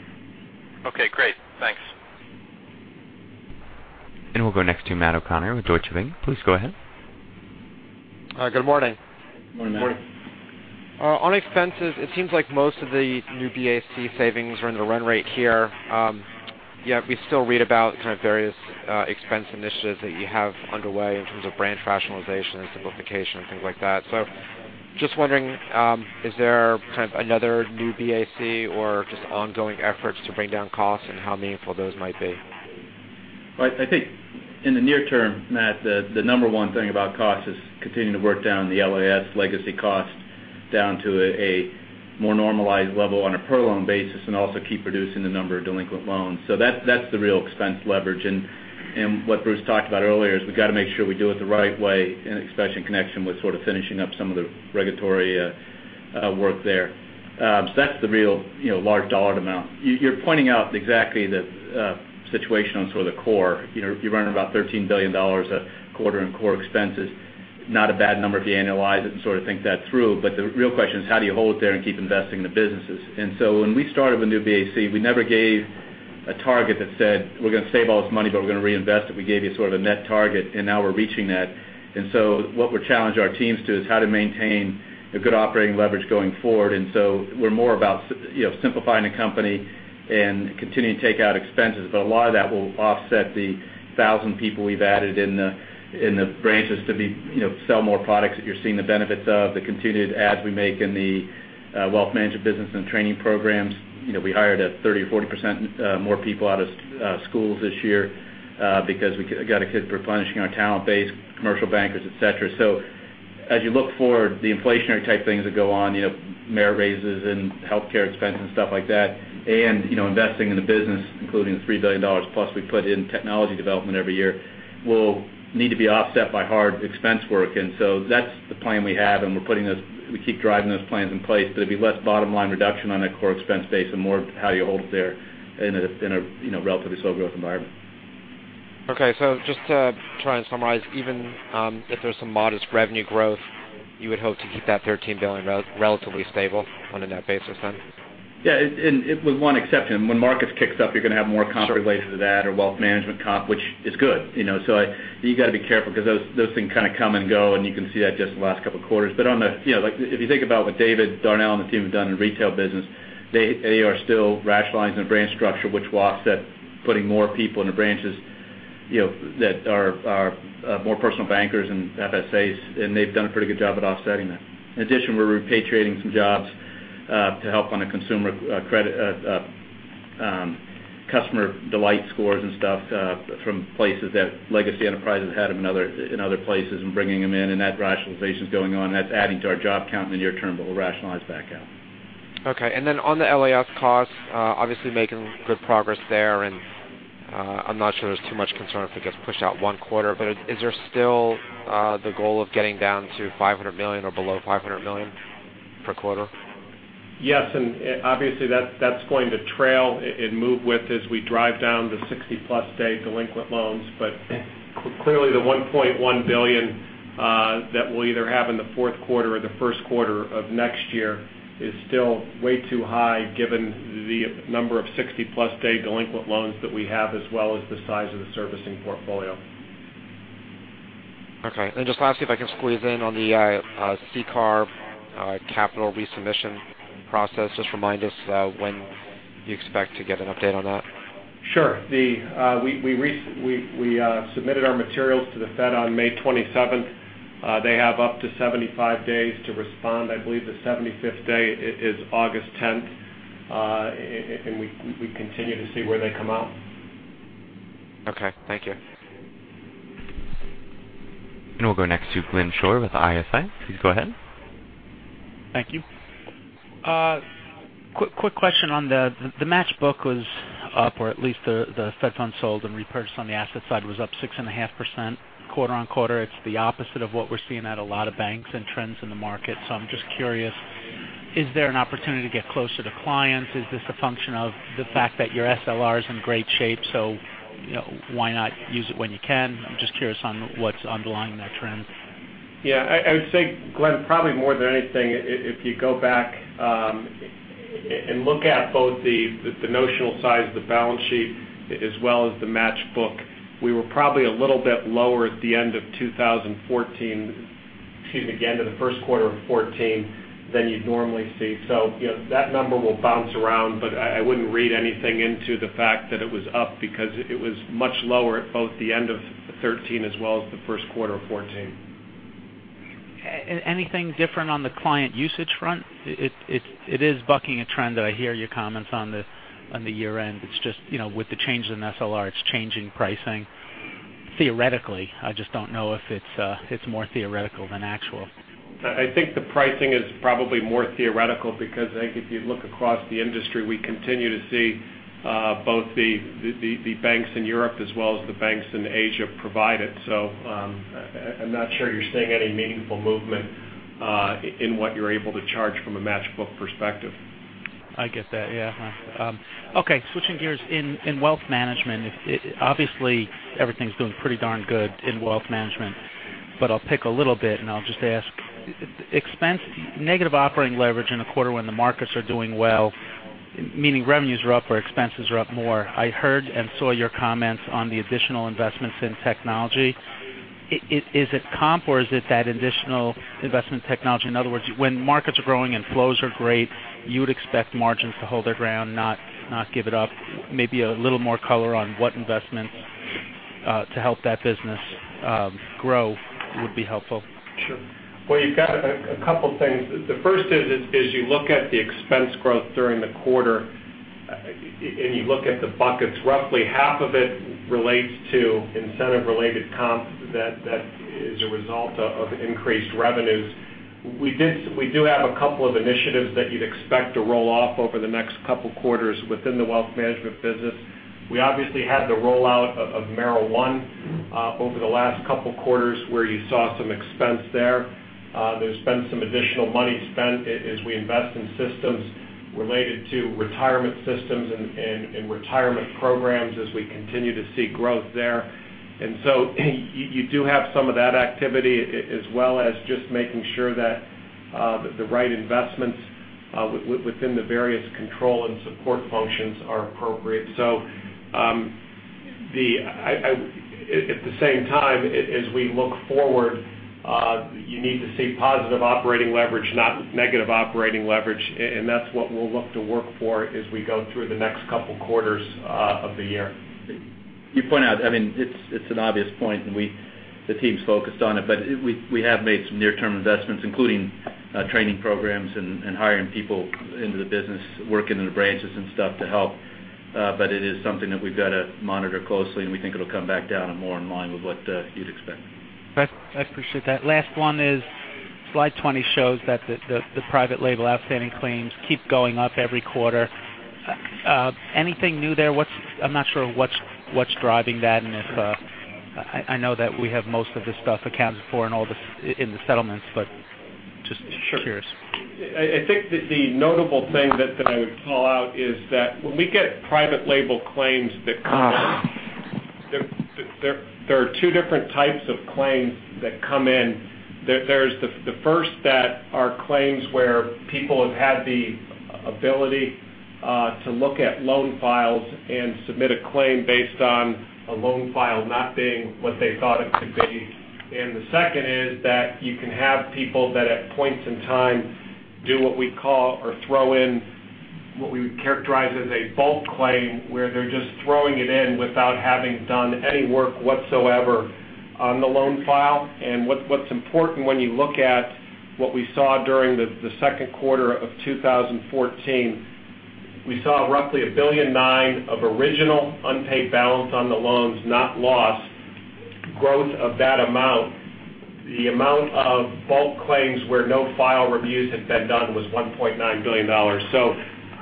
Okay, great. Thanks. We'll go next to Matthew O'Connor with Deutsche Bank. Please go ahead. Good morning. Morning. Morning. On expenses, it seems like most of the new BAC savings are in the run rate here. We still read about kind of various expense initiatives that you have underway in terms of branch rationalization and simplification and things like that. Just wondering, is there kind of another new BAC or just ongoing efforts to bring down costs and how meaningful those might be? I think in the near term, Matt, the number one thing about cost is continuing to work down the LAS legacy cost down to a more normalized level on a per loan basis and also keep reducing the number of delinquent loans. That's the real expense leverage. What Bruce talked about earlier is we got to make sure we do it the right way, especially in connection with sort of finishing up some of the regulatory work there. That's the real large dollar amount. You're pointing out exactly the situation on sort of the core. You're running about $13 billion a quarter in core expenses. Not a bad number if you annualize it and sort of think that through. The real question is how do you hold it there and keep investing in the businesses? When we started with New BAC, we never gave a target that said we're going to save all this money, but we're going to reinvest it. We gave you sort of a net target, now we're reaching that. What we challenge our teams to is how to maintain a good operating leverage going forward. We're more about simplifying the company and continuing to take out expenses. A lot of that will offset the 1,000 people we've added in the branches to sell more products that you're seeing the benefits of. The continued ads we make in the wealth management business and training programs. We hired at 30% or 40% more people out of schools this year because we got to keep replenishing our talent base, commercial bankers, et cetera. As you look forward, the inflationary type things that go on, merit raises and healthcare expenses, stuff like that, and investing in the business, including the $3 billion plus we put in technology development every year, will need to be offset by hard expense work. That's the plan we have, and we keep driving those plans in place. There'll be less bottom-line reduction on a core expense base and more how you hold it there in a relatively slow-growth environment. Okay. Just to try and summarize, even if there's some modest revenue growth, you would hope to keep that $13 billion relatively stable on a net basis then? With one exception. When markets kick up, you're going to have more comp related to that or wealth management comp, which is good. You got to be careful because those things kind of come and go, and you can see that just in the last couple of quarters. If you think about what David Darnell and the team have done in retail business, they are still rationalizing the branch structure, which will offset putting more people into branches that are more personal bankers and FSA, and they've done a pretty good job at offsetting that. In addition, we're repatriating some jobs to help on a customer delight scores and stuff from places that legacy entities has had in other places and bringing them in, and that rationalization is going on. That's adding to our job count in the near term, but we'll rationalize back out. On the LAS costs, obviously making good progress there, and I'm not sure there's too much concern if it gets pushed out one quarter. Is there still the goal of getting down to $500 million or below $500 million per quarter? Obviously, that's going to trail and move with as we drive down the 60-plus day delinquent loans. Clearly, the $1.1 billion that we'll either have in the fourth quarter or the first quarter of next year is still way too high given the number of 60-plus day delinquent loans that we have as well as the size of the servicing portfolio. Just lastly, if I can squeeze in on the CCAR capital resubmission process. Just remind us when you expect to get an update on that. Sure. We submitted our materials to the Fed on May 27th. They have up to 75 days to respond. I believe the 75th day is August 10th. We continue to see where they come out. Okay. Thank you. We'll go next to Glenn Schorr with ISI. Please go ahead. Thank you. Quick question on the match book was up, or at least the Fed funds sold and repurchased on the asset side was up 6.5% quarter-on-quarter. It's the opposite of what we're seeing at a lot of banks and trends in the market. I'm just curious, is there an opportunity to get closer to clients? Is this a function of the fact that your SLR is in great shape, so why not use it when you can? I'm just curious on what's underlying that trend. Yeah. I would say, Glenn, probably more than anything, if you go back and look at both the notional size of the balance sheet as well as the match book, we were probably a little bit lower at the end of 2014. Excuse me, at the end of the first quarter of 2014 than you'd normally see. That number will bounce around, but I wouldn't read anything into the fact that it was up because it was much lower at both the end of 2013 as well as the first quarter of 2014. Anything different on the client usage front? It is bucking a trend that I hear your comments on the year-end. It's just with the changes in SLR, it's changing pricing theoretically. I just don't know if it's more theoretical than actual. I think the pricing is probably more theoretical because I think if you look across the industry, we continue to see both the banks in Europe as well as the banks in Asia provide it. I'm not sure you're seeing any meaningful movement in what you're able to charge from a match book perspective. I get that. Yeah. Switching gears. In Wealth Management, obviously everything's doing pretty darn good in Wealth Management, but I'll pick a little bit and I'll just ask. Negative operating leverage in a quarter when the markets are doing well, meaning revenues are up or expenses are up more. I heard and saw your comments on the additional investments in technology. Is it comp or is it that additional investment technology? When markets are growing and flows are great, you would expect margins to hold their ground, not give it up. Maybe a little more color on what investments to help that business grow would be helpful. Sure. Well, you've got a couple things. The first is you look at the expense growth during the quarter, and you look at the buckets. Roughly half of it relates to incentive-related comp that is a result of increased revenues. We do have a couple of initiatives that you'd expect to roll off over the next couple quarters within the wealth management business. We obviously had the rollout of Merrill One over the last couple quarters where you saw some expense there. There's been some additional money spent as we invest in systems related to retirement systems and retirement programs as we continue to see growth there. You do have some of that activity as well as just making sure that The right investments within the various control and support functions are appropriate. At the same time, as we look forward, you need to see positive operating leverage, not negative operating leverage. That's what we'll look to work for as we go through the next couple quarters of the year. You point out, it's an obvious point, and the team's focused on it, but we have made some near-term investments, including training programs and hiring people into the business, working in the branches and stuff to help. It is something that we've got to monitor closely, and we think it'll come back down and more in line with what you'd expect. I appreciate that. Last one is, slide 20 shows that the private label outstanding claims keep going up every quarter. Anything new there? I'm not sure what's driving that, and I know that we have most of this stuff accounted for in the settlements, but just curious. Sure. I think that the notable thing that I would call out is that when we get private label claims that come in. There are 2 different types of claims that come in. There's the first that are claims where people have had the ability to look at loan files and submit a claim based on a loan file not being what they thought it to be. The second is that you can have people that, at points in time, do what we call or throw in what we would characterize as a bulk claim, where they're just throwing it in without having done any work whatsoever on the loan file. What's important when you look at what we saw during the second quarter of 2014, we saw roughly $1.9 billion of original unpaid balance on the loans, not loss, growth of that amount. The amount of bulk claims where no file reviews had been done was $1.9 billion.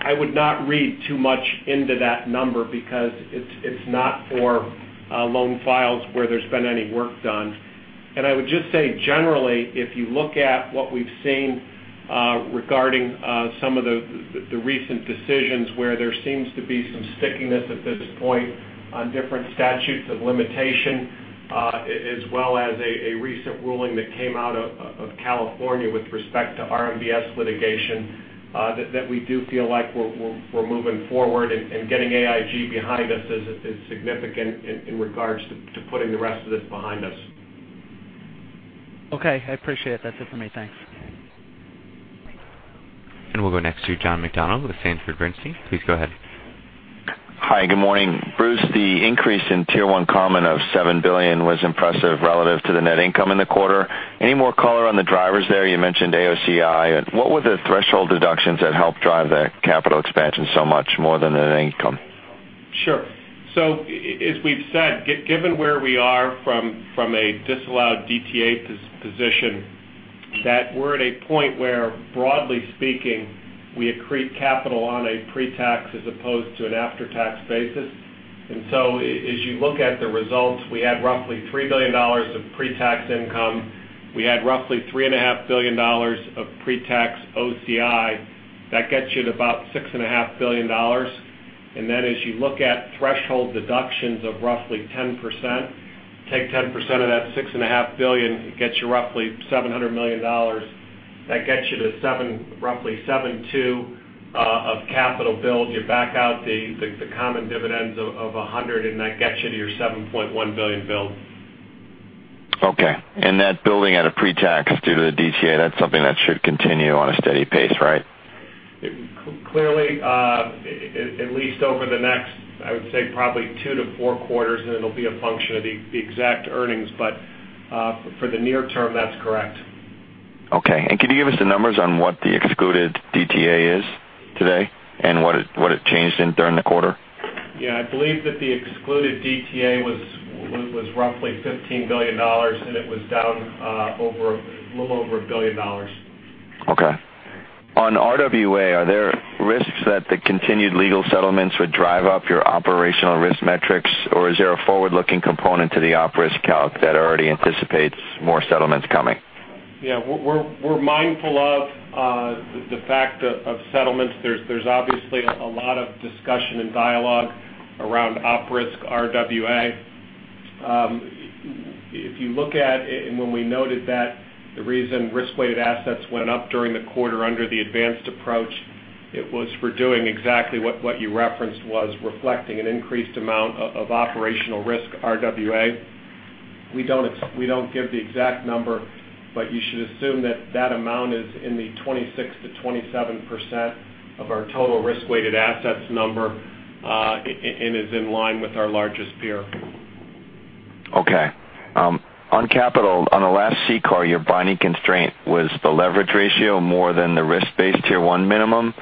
I would not read too much into that number because it's not for loan files where there's been any work done. I would just say, generally, if you look at what we've seen regarding some of the recent decisions where there seems to be some stickiness at this point on different statutes of limitation, as well as a recent ruling that came out of California with respect to RMBS litigation, that we do feel like we're moving forward. Getting AIG behind us is significant in regards to putting the rest of this behind us. Okay. I appreciate it. That's it for me. Thanks. We'll go next to John McDonald with Sanford C. Bernstein. Please go ahead. Hi, good morning. Bruce, the increase in Tier 1 common of $7 billion was impressive relative to the net income in the quarter. Any more color on the drivers there? You mentioned AOCI. What were the threshold deductions that helped drive that capital expansion so much more than the net income? Sure. As we've said, given where we are from a disallowed DTA position, that we're at a point where, broadly speaking, we accrete capital on a pre-tax as opposed to an after-tax basis. As you look at the results, we had roughly $3 billion of pre-tax income. We had roughly $3.5 billion of pre-tax OCI. That gets you to about $6.5 billion. Then as you look at threshold deductions of roughly 10%, take 10% of that $6.5 billion, it gets you roughly $700 million. That gets you to roughly $7.2 of capital build. You back out the common dividends of $100 million, that gets you to your $7.1 billion build. Okay. That building at a pre-tax due to the DTA, that's something that should continue on a steady pace, right? Clearly, at least over the next, I would say probably two to four quarters, and it will be a function of the exact earnings. For the near term, that is correct. Okay. Could you give us the numbers on what the excluded DTA is today and what it changed in during the quarter? Yeah, I believe that the excluded DTA was roughly $15 billion, and it was down a little over a billion dollars. Okay. On RWA, are there risks that the continued legal settlements would drive up your operational risk metrics? Is there a forward-looking component to the op risk calc that already anticipates more settlements coming? Yeah. We're mindful of the fact of settlements. There's obviously a lot of discussion and dialogue around op risk RWA. If you look at when we noted that the reason risk-weighted assets went up during the quarter under the advanced approach, it was for doing exactly what you referenced was reflecting an increased amount of operational risk RWA. We don't give the exact number, but you should assume that that amount is in the 26%-27% of our total risk-weighted assets number, and is in line with our largest peer. Okay. On capital, on the last CCAR, your binding constraint was the leverage ratio more than the risk-based Tier 1 minimum.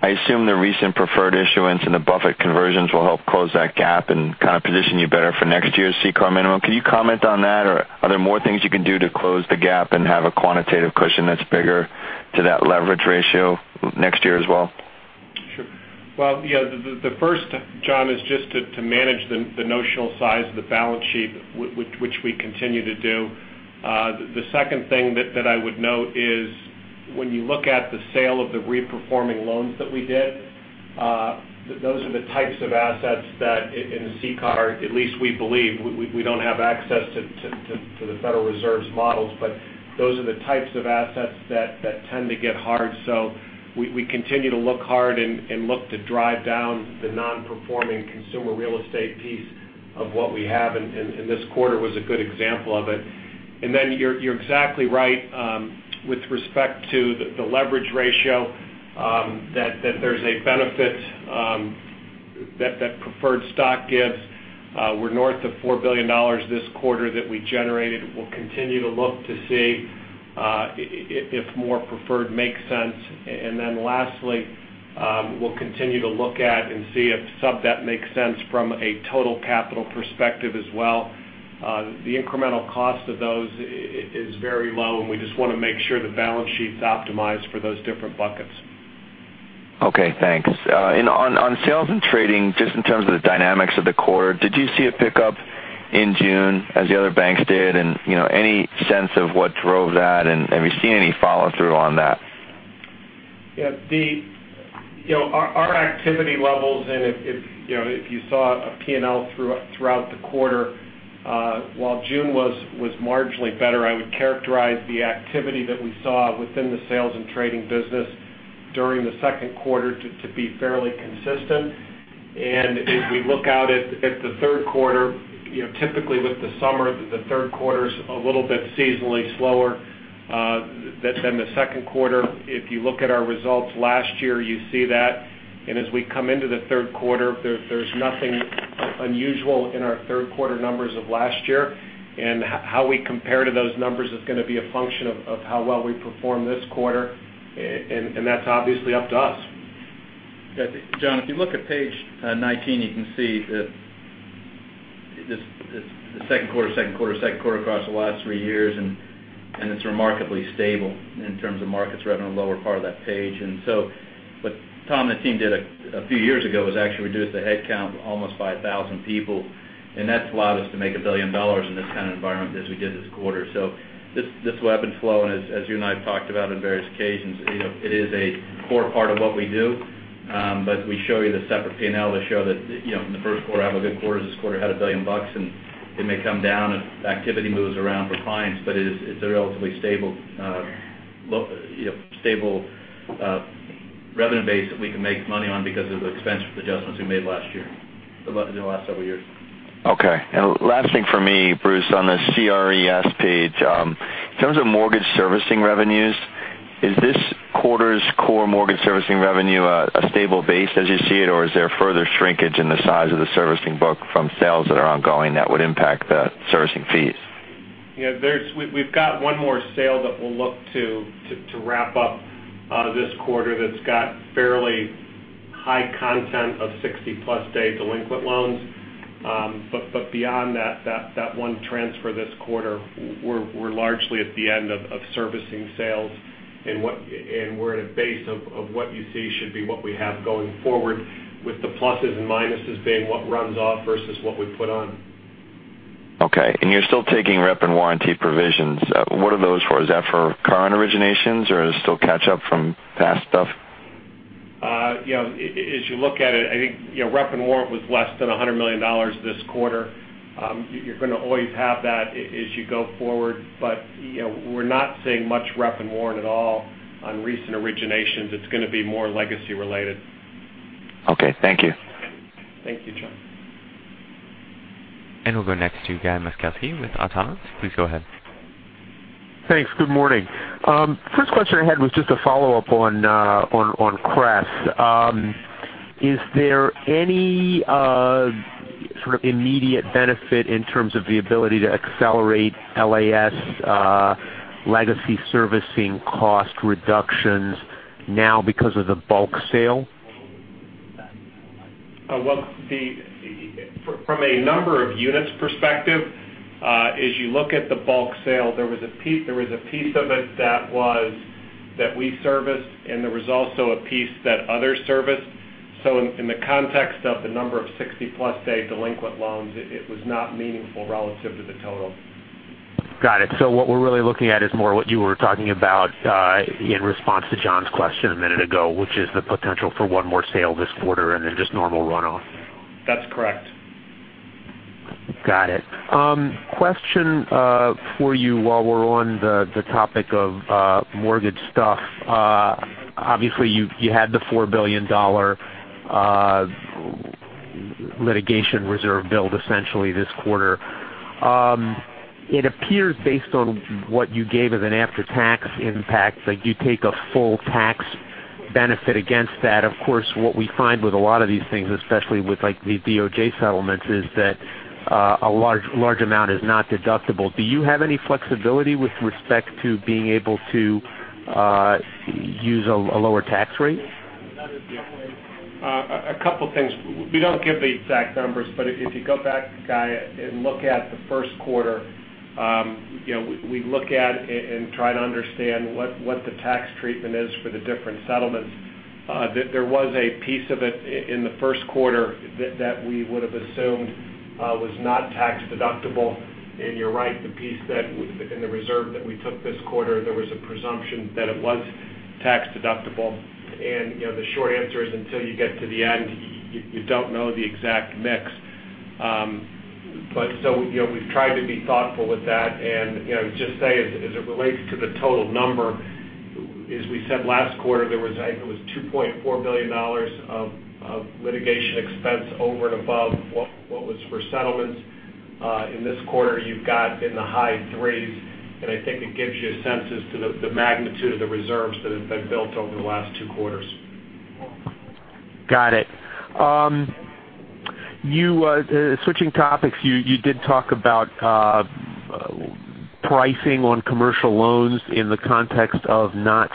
I assume the recent preferred issuance and the Buffett conversions will help close that gap and kind of position you better for next year's CCAR minimum. Can you comment on that, or are there more things you can do to close the gap and have a quantitative cushion that's bigger to that leverage ratio next year as well? Sure. Well, the first, John, is just to manage the notional size of the balance sheet, which we continue to do. The second thing that I would note is when you look at the sale of the reperforming loans that we did. Those are the types of assets that in CCAR, at least we believe, we don't have access to the Federal Reserve's models. Those are the types of assets that tend to get hard. We continue to look hard and look to drive down the non-performing Consumer Real Estate piece of what we have, and this quarter was a good example of it. You're exactly right with respect to the leverage ratio that there's a benefit that preferred stock gives. We're north of $4 billion this quarter that we generated. We'll continue to look to see if more preferred makes sense. Lastly, we'll continue to look at and see if sub-debt makes sense from a total capital perspective as well. The incremental cost of those is very low, and we just want to make sure the balance sheet's optimized for those different buckets. Okay. Thanks. On sales and trading, just in terms of the dynamics of the quarter, did you see a pickup in June as the other banks did? Any sense of what drove that? Have you seen any follow-through on that? Yeah. Our activity levels, if you saw a P&L throughout the quarter, while June was marginally better, I would characterize the activity that we saw within the sales and trading business during the second quarter to be fairly consistent. As we look out at the third quarter, typically with the summer, the third quarter's a little bit seasonally slower than the second quarter. If you look at our results last year, you see that. As we come into the third quarter, there's nothing unusual in our third quarter numbers of last year. How we compare to those numbers is going to be a function of how well we perform this quarter, and that's obviously up to us. John, if you look at page 19, you can see that the second quarter across the last three years, it's remarkably stable in terms of markets revenue, lower part of that page. What Tom and the team did a few years ago was actually reduced the headcount almost by 1,000 people, that's allowed us to make $1 billion in this kind of environment as we did this quarter. This will ebb and flow, as you and I have talked about on various occasions it is a core part of what we do. We show you the separate P&L to show that in the first quarter, have a good quarter. This quarter had $1 billion, it may come down if activity moves around for clients. It's a relatively stable revenue base that we can make money on because of the expense adjustments we made last year, in the last several years. Okay. Last thing for me, Bruce, on the CRES page. In terms of mortgage servicing revenues, is this quarter's core mortgage servicing revenue a stable base as you see it or is there further shrinkage in the size of the servicing book from sales that are ongoing that would impact the servicing fees? Yeah. We've got one more sale that we'll look to wrap up this quarter that's got fairly high content of 60-plus day delinquent loans. Beyond that one transfer this quarter, we're largely at the end of servicing sales, and we're at a base of what you see should be what we have going forward with the pluses and minuses being what runs off versus what we put on. Okay. You're still taking rep and warranty provisions. What are those for? Is that for current originations or is it still catch up from past stuff? As you look at it, I think rep and warrant was less than $100 million this quarter. You're going to always have that as you go forward. We're not seeing much rep and warrant at all on recent originations. It's going to be more legacy related. Okay. Thank you. Thank you, John. We'll go next to Guy Moszkowski with Autonomous. Please go ahead. Thanks. Good morning. First question I had was just a follow-up on CRES. Is there any sort of immediate benefit in terms of the ability to accelerate LAS legacy servicing cost reductions now because of the bulk sale? From a number of units perspective, as you look at the bulk sale, there was a piece of it that we serviced, and there was also a piece that others serviced. In the context of the number of 60-plus day delinquent loans, it was not meaningful relative to the total. Got it. What we're really looking at is more what you were talking about in response to John's question a minute ago, which is the potential for one more sale this quarter and then just normal runoff. That's correct. Got it. Question for you while we're on the topic of mortgage stuff. Obviously, you had the $4 billion litigation reserve build essentially this quarter. It appears based on what you gave as an after-tax impact, like you take a full tax benefit against that. Of course, what we find with a lot of these things, especially with the DOJ settlements, is that a large amount is not deductible. Do you have any flexibility with respect to being able to use a lower tax rate? A couple of things. We don't give the exact numbers, if you go back, Guy, and look at the first quarter, we look at and try to understand what the tax treatment is for the different settlements. There was a piece of it in the first quarter that we would have assumed was not tax-deductible. You're right, the piece in the reserve that we took this quarter, there was a presumption that it was tax-deductible. The short answer is until you get to the end, you don't know the exact mix. We've tried to be thoughtful with that. Just say, as it relates to the total number, as we said last quarter, there was $2.4 billion of litigation expense over and above what was for settlements. In this quarter, you've got in the high threes, and I think it gives you a sense as to the magnitude of the reserves that have been built over the last two quarters. Got it. Switching topics, you did talk about pricing on commercial loans in the context of not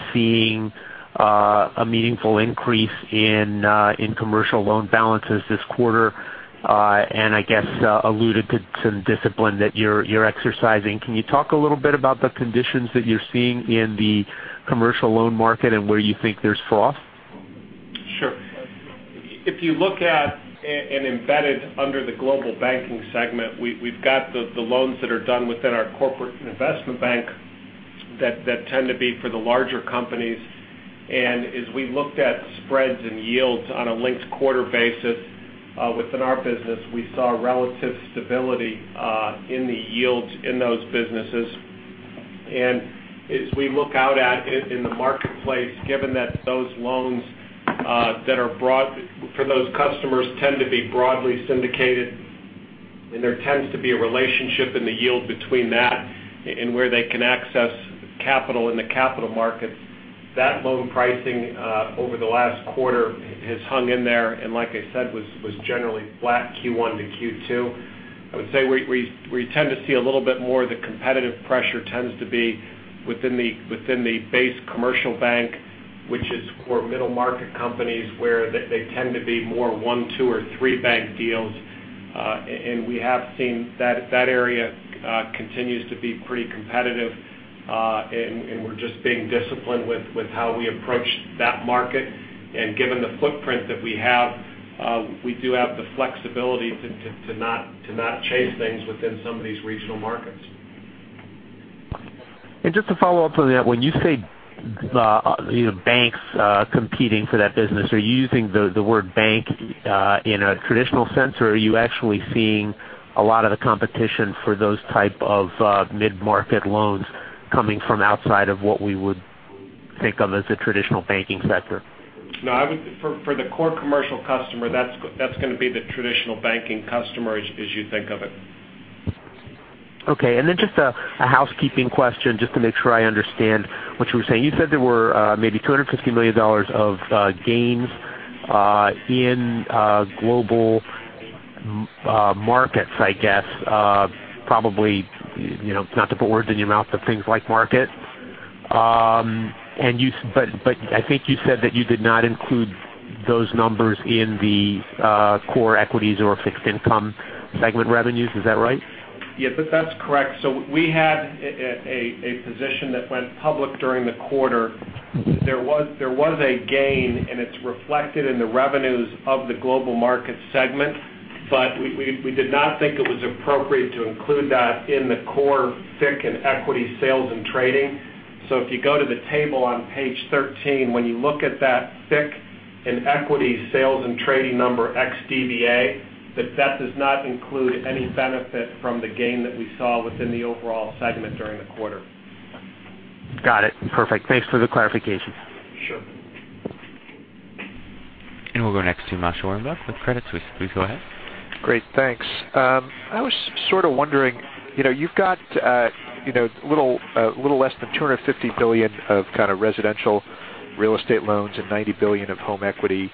seeing a meaningful increase in commercial loan balances this quarter, and I guess alluded to some discipline that you're exercising. Can you talk a little bit about the conditions that you're seeing in the commercial loan market and where you think there's froth? Sure. If you look at and embedded under the Global Banking segment, we've got the loans that are done within our corporate investment bank that tend to be for the larger companies. As we looked at spreads and yields on a linked quarter basis within our business, we saw relative stability in the yields in those businesses. As we look out at it in the marketplace, given that those loans that are brought for those customers tend to be broadly syndicated, and there tends to be a relationship in the yield between that and where they can access capital in the capital markets. That loan pricing over the last quarter has hung in there, and like I said, was generally flat Q1 to Q2. I would say we tend to see a little bit more of the competitive pressure tends to be within the base commercial bank, which is for middle-market companies, where they tend to be more one, two, or three-bank deals. We have seen that area continues to be pretty competitive, and we're just being disciplined with how we approach that market. Given the footprint that we have, we do have the flexibility to not chase things within some of these regional markets. Just to follow up on that, when you say banks competing for that business, are you using the word bank in a traditional sense, or are you actually seeing a lot of the competition for those type of mid-market loans coming from outside of what we would think of as a traditional banking sector? No, for the core commercial customer, that's going to be the traditional banking customer as you think of it. Okay. Just a housekeeping question, just to make sure I understand what you were saying. You said there were maybe $250 million of gains in Global Markets, I guess. Probably, not to put words in your mouth, but things like markets. I think you said that you did not include those numbers in the core equities or fixed income segment revenues. Is that right? That's correct. We had a position that went public during the quarter. There was a gain, and it's reflected in the revenues of the Global Markets segment. We did not think it was appropriate to include that in the core FICC and equity sales and trading. If you go to the table on page 13, when you look at that FICC and equity sales and trading number ex DVA, that does not include any benefit from the gain that we saw within the overall segment during the quarter. Got it. Perfect. Thanks for the clarification. Sure. We'll go next to Moshe Orenbuch with Credit Suisse. Please go ahead. Great. Thanks. I was sort of wondering. You've got a little less than $250 billion of kind of residential real estate loans and $90 billion of home equity.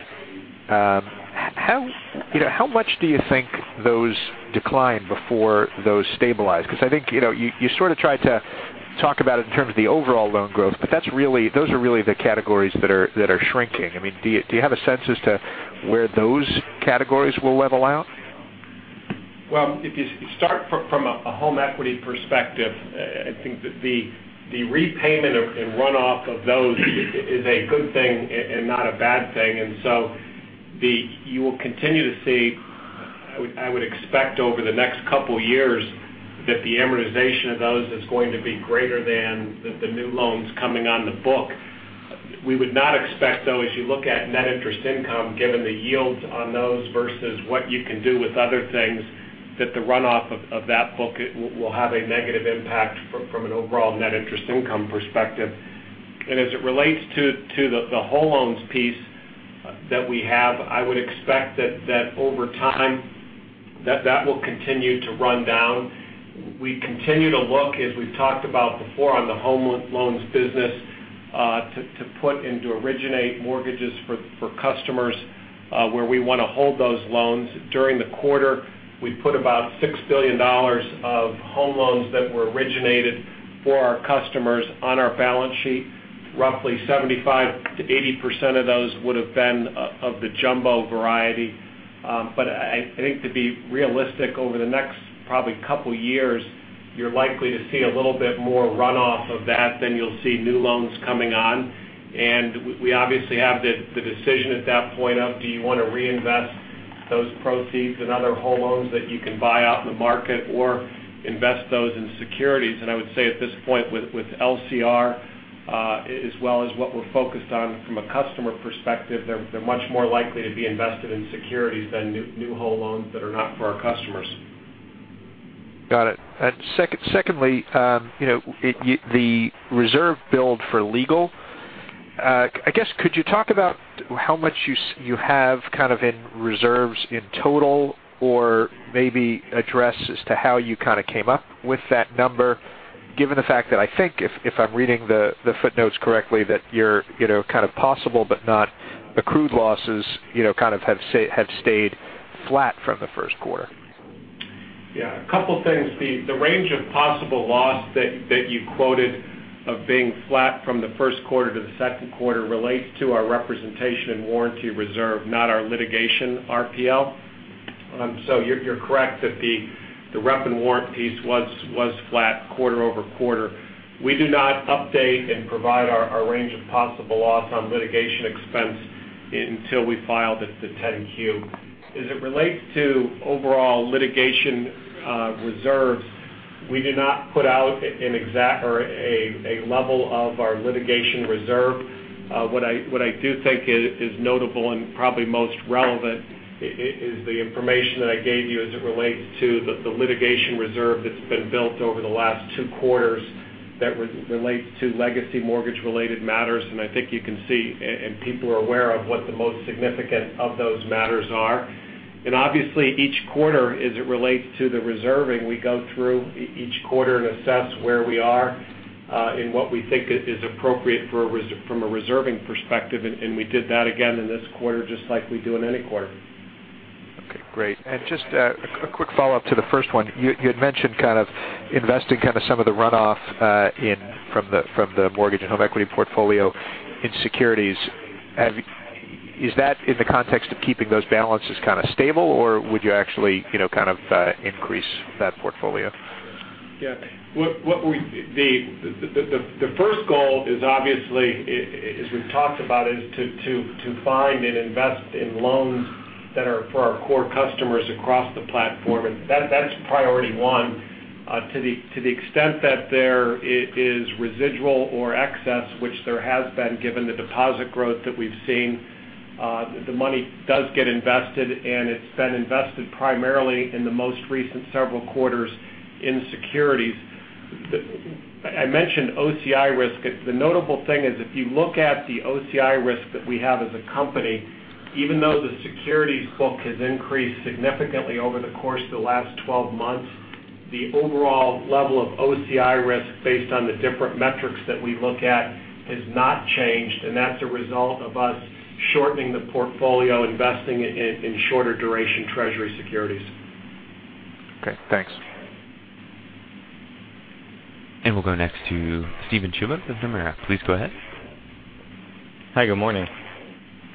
How much do you think those decline before those stabilize? I think you sort of tried to talk about it in terms of the overall loan growth, but those are really the categories that are shrinking. Do you have a sense as to where those categories will level out? If you start from a home equity perspective, I think that the repayment and runoff of those is a good thing and not a bad thing. You will continue to see, I would expect over the next couple of years, that the amortization of those is going to be greater than the new loans coming on the book. We would not expect, though, as you look at net interest income, given the yields on those versus what you can do with other things, that the runoff of that book will have a negative impact from an overall net interest income perspective. As it relates to the whole loans piece that we have, I would expect that over time, that will continue to run down. We continue to look, as we've talked about before on the home loans business, to put and to originate mortgages for customers where we want to hold those loans. During the quarter, we put about $6 billion of home loans that were originated for our customers on our balance sheet. Roughly 75%-80% of those would have been of the jumbo variety. I think to be realistic, over the next probably couple years, you're likely to see a little bit more runoff of that than you'll see new loans coming on. We obviously have the decision at that point of do you want to reinvest those proceeds in other home loans that you can buy out in the market or invest those in securities? I would say at this point with LCR as well as what we're focused on from a customer perspective. They're much more likely to be invested in securities than new home loans that are not for our customers. Got it. Secondly, the reserve build for legal. I guess, could you talk about how much you have in reserves in total? Or maybe address as to how you came up with that number, given the fact that I think, if I'm reading the footnotes correctly, that your possible but not accrued losses have stayed flat from the first quarter. Yeah. A couple things. The range of possible loss that you quoted of being flat from the first quarter to the second quarter relates to our representation and warranty reserve, not our litigation RPL. You're correct that the rep and warrant piece was flat quarter-over-quarter. We do not update and provide our range of possible loss on litigation expense until we file the 10-Q. As it relates to overall litigation reserves, we do not put out a level of our litigation reserve. What I do think is notable and probably most relevant is the information that I gave you as it relates to the litigation reserve that's been built over the last two quarters that relates to legacy mortgage-related matters. I think you can see, and people are aware of what the most significant of those matters are. Obviously, each quarter as it relates to the reserving, we go through each quarter and assess where we are and what we think is appropriate from a reserving perspective, and we did that again in this quarter just like we do in any quarter. Okay, great. Just a quick follow-up to the first one. You had mentioned investing some of the runoff from the mortgage and home equity portfolio in securities. Is that in the context of keeping those balances stable, or would you actually increase that portfolio? Yeah. The first goal is obviously, as we've talked about, is to find and invest in loans that are for our core customers across the platform. That's priority 1. To the extent that there is residual or excess, which there has been, given the deposit growth that we've seen, the money does get invested, and it's been invested primarily in the most recent several quarters in securities. I mentioned OCI risk. The notable thing is if you look at the OCI risk that we have as a company, even though the securities book has increased significantly over the course of the last 12 months, the overall level of OCI risk based on the different metrics that we look at has not changed, and that's a result of us shortening the portfolio, investing in shorter duration Treasury securities. Okay, thanks. We'll go next to Steven Chubak with Nomura. Please go ahead. Hi. Good morning.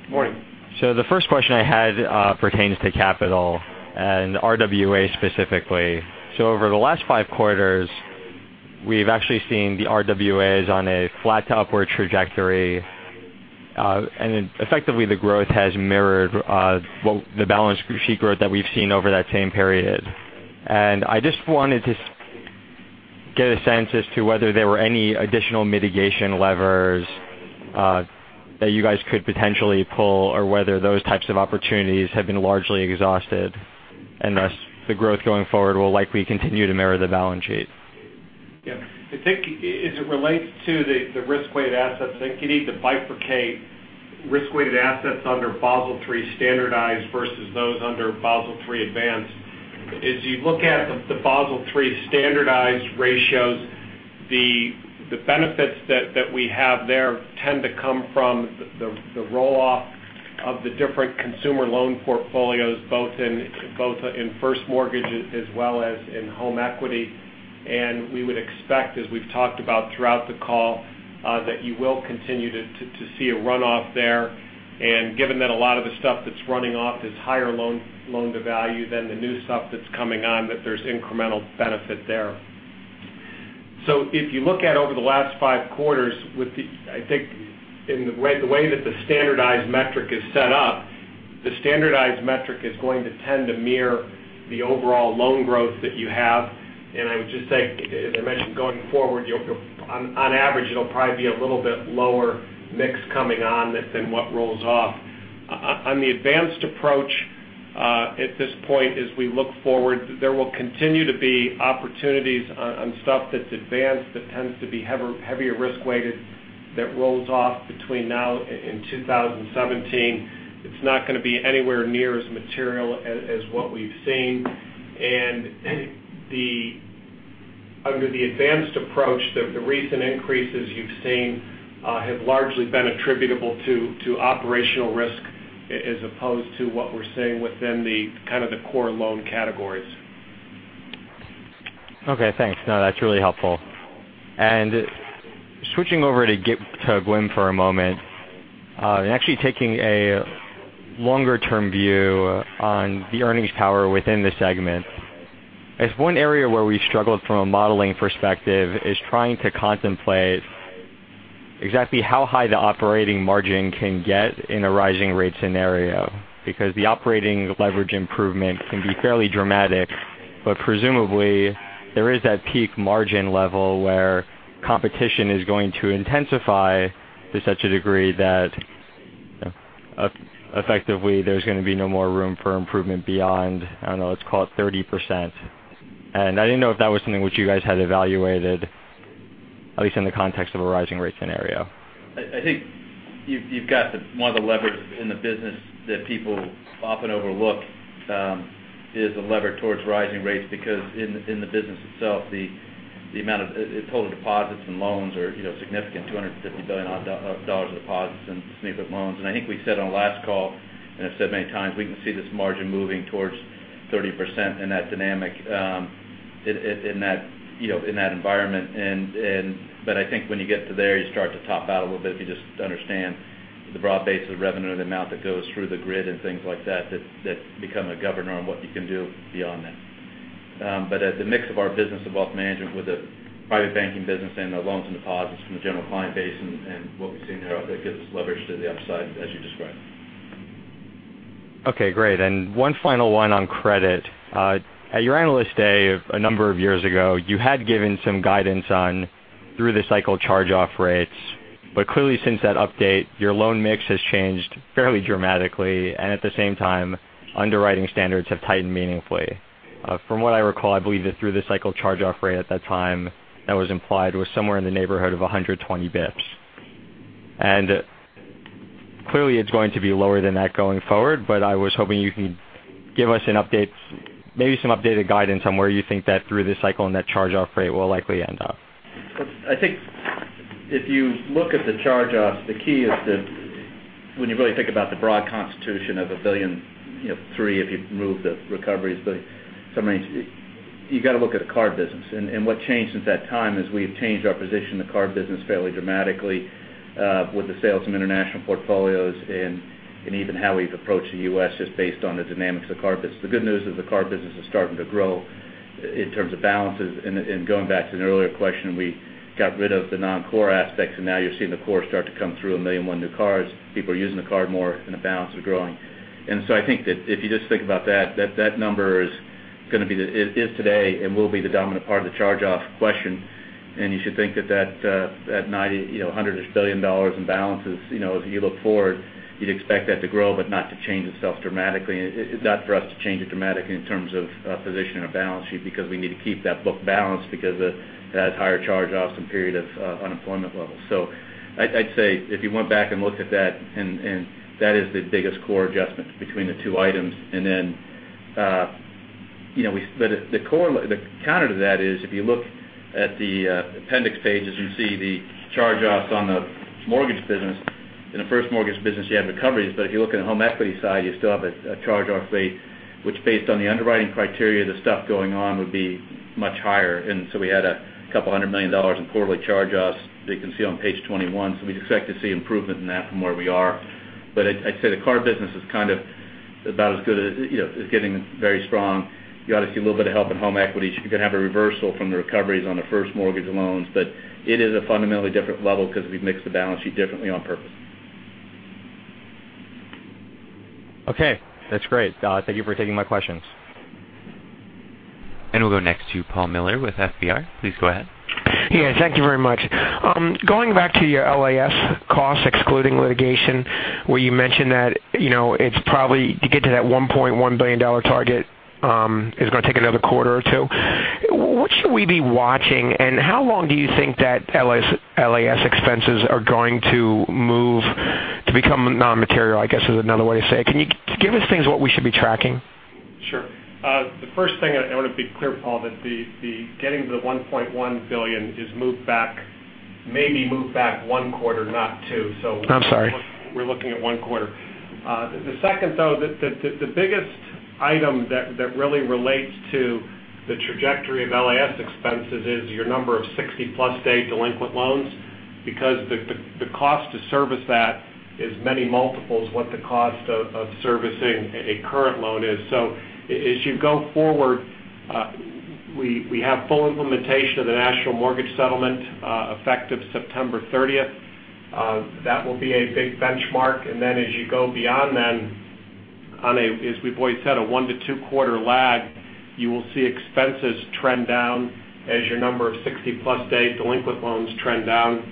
Morning. The first question I had pertains to capital and RWA specifically. Over the last five quarters, we've actually seen the RWAs on a flat to upward trajectory. Effectively, the growth has mirrored the balance sheet growth that we've seen over that same period. I just wanted to get a sense as to whether there were any additional mitigation levers that you guys could potentially pull or whether those types of opportunities have been largely exhausted, and thus the growth going forward will likely continue to mirror the balance sheet. I think as it relates to the risk-weighted assets, I think you need to bifurcate risk-weighted assets under Basel III standardized versus those under Basel III advanced. As you look at the Basel III standardized ratios, the benefits that we have there tend to come from the roll-off of the different consumer loan portfolios, both in first mortgage as well as in home equity. We would expect, as we've talked about throughout the call, that you will continue to see a runoff there. Given that a lot of the stuff that's running off is higher loan to value than the new stuff that's coming on, that there's incremental benefit there. If you look at over the last five quarters, I think the way that the standardized metric is set up, the standardized metric is going to tend to mirror the overall loan growth that you have. I would just say, as I mentioned going forward, on average, it'll probably be a little bit lower mix coming on than what rolls off. On the advanced approach at this point, as we look forward, there will continue to be opportunities on stuff that's advanced that tends to be heavier risk-weighted that rolls off between now and 2017. It's not going to be anywhere near as material as what we've seen. Under the advanced approach, the recent increases you've seen have largely been attributable to operational risk as opposed to what we're seeing within the core loan categories. Okay, thanks. No, that's really helpful. Switching over to GWIM for a moment. Actually taking a longer-term view on the earnings power within the segment. I guess one area where we struggled from a modeling perspective is trying to contemplate exactly how high the operating margin can get in a rising rate scenario. Because the operating leverage improvement can be fairly dramatic, but presumably there is that peak margin level where competition is going to intensify to such a degree that Effectively, there's going to be no more room for improvement beyond, I don't know, let's call it 30%. I didn't know if that was something which you guys had evaluated, at least in the context of a rising rate scenario. I think you've got one of the levers in the business that people often overlook is the lever towards rising rates because in the business itself, the amount of total deposits and loans are significant, $250 billion of deposits and significant loans. I think we said on last call, and I've said many times, we can see this margin moving towards 30% in that dynamic, in that environment. I think when you get to there, you start to top out a little bit if you just understand the broad base of the revenue amount that goes through the grid and things like that become a governor on what you can do beyond that. At the mix of our business of wealth management with the private banking business and the loans and deposits from the general client base and what we've seen there, that gives leverage to the upside as you described. Okay, great. One final one on credit. At your Analyst Day, a number of years ago, you had given some guidance on through-the-cycle charge-off rates. Clearly, since that update, your loan mix has changed fairly dramatically, and at the same time, underwriting standards have tightened meaningfully. From what I recall, I believe the through-the-cycle charge-off rate at that time that was implied was somewhere in the neighborhood of 120 basis points. Clearly, it's going to be lower than that going forward, but I was hoping you could give us maybe some updated guidance on where you think that through-the-cycle on that charge-off rate will likely end up. I think if you look at the charge-offs, the key is that when you really think about the broad constitution of $1.3 billion if you remove the recoveries, you got to look at the card business. What changed since that time is we've changed our position in the card business fairly dramatically with the sales from international portfolios and even how we've approached the U.S. is based on the dynamics of the card business. The good news is the card business is starting to grow in terms of balances. Going back to an earlier question, we got rid of the non-core aspects, and now you're seeing the core start to come through 1,000,001 new cards. People are using the card more, and the balance are growing. I think that if you just think about that number is today and will be the dominant part of the charge-off question. You should think that that $90 billion-$100 billion-ish in balances, as you look forward, you'd expect that to grow, but not to change itself dramatically. It's not for us to change it dramatically in terms of position or balance sheet because we need to keep that book balanced because it has higher charge-offs than period of unemployment levels. I'd say if you went back and looked at that, and that is the biggest core adjustment between the two items. The counter to that is if you look at the appendix pages, you see the charge-offs on the mortgage business. In the first mortgage business, you had recoveries, but if you look at the home equity side, you still have a charge-off rate, which based on the underwriting criteria, the stuff going on would be much higher. We had $200 million in quarterly charge-offs that you can see on page 21. We'd expect to see improvement in that from where we are. I'd say the card business is kind of about as good as it's getting very strong. You ought to see a little bit of help in home equity. You could have a reversal from the recoveries on the first mortgage loans, but it is a fundamentally different level because we've mixed the balance sheet differently on purpose. Okay, that's great. Thank you for taking my questions. We'll go next to Paul Miller with FBR. Please go ahead. Yeah, thank you very much. Going back to your LAS costs, excluding litigation, where you mentioned that it's probably to get to that $1.1 billion target is going to take another quarter or two. What should we be watching, and how long do you think that LAS expenses are going to move to become non-material, I guess, is another way to say it. Can you give us things what we should be tracking? Sure. The first thing I want to be clear, Paul, that getting to the $1.1 billion is maybe moved back one quarter, not two. I'm sorry. We're looking at one quarter. The second, though, the biggest item that really relates to the trajectory of LAS expenses is your number of 60-plus day delinquent loans because the cost to service that is many multiples what the cost of servicing a current loan is. As you go forward, we have full implementation of the National Mortgage Settlement effective September 30th. That will be a big benchmark. Then as you go beyond then on a, as we've always said, a one to two-quarter lag, you will see expenses trend down as your number of 60-plus day delinquent loans trend down.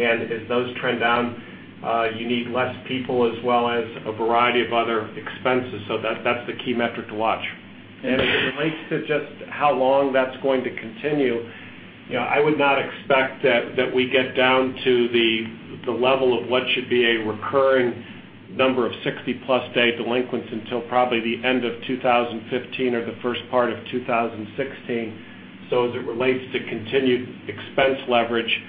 As those trend down, you need less people as well as a variety of other expenses. That's the key metric to watch. As it relates to just how long that's going to continue, I would not expect that we get down to the level of what should be a recurring number of 60-plus day delinquents until probably the end of 2015 or the first part of 2016. As it relates to continued expense leverage,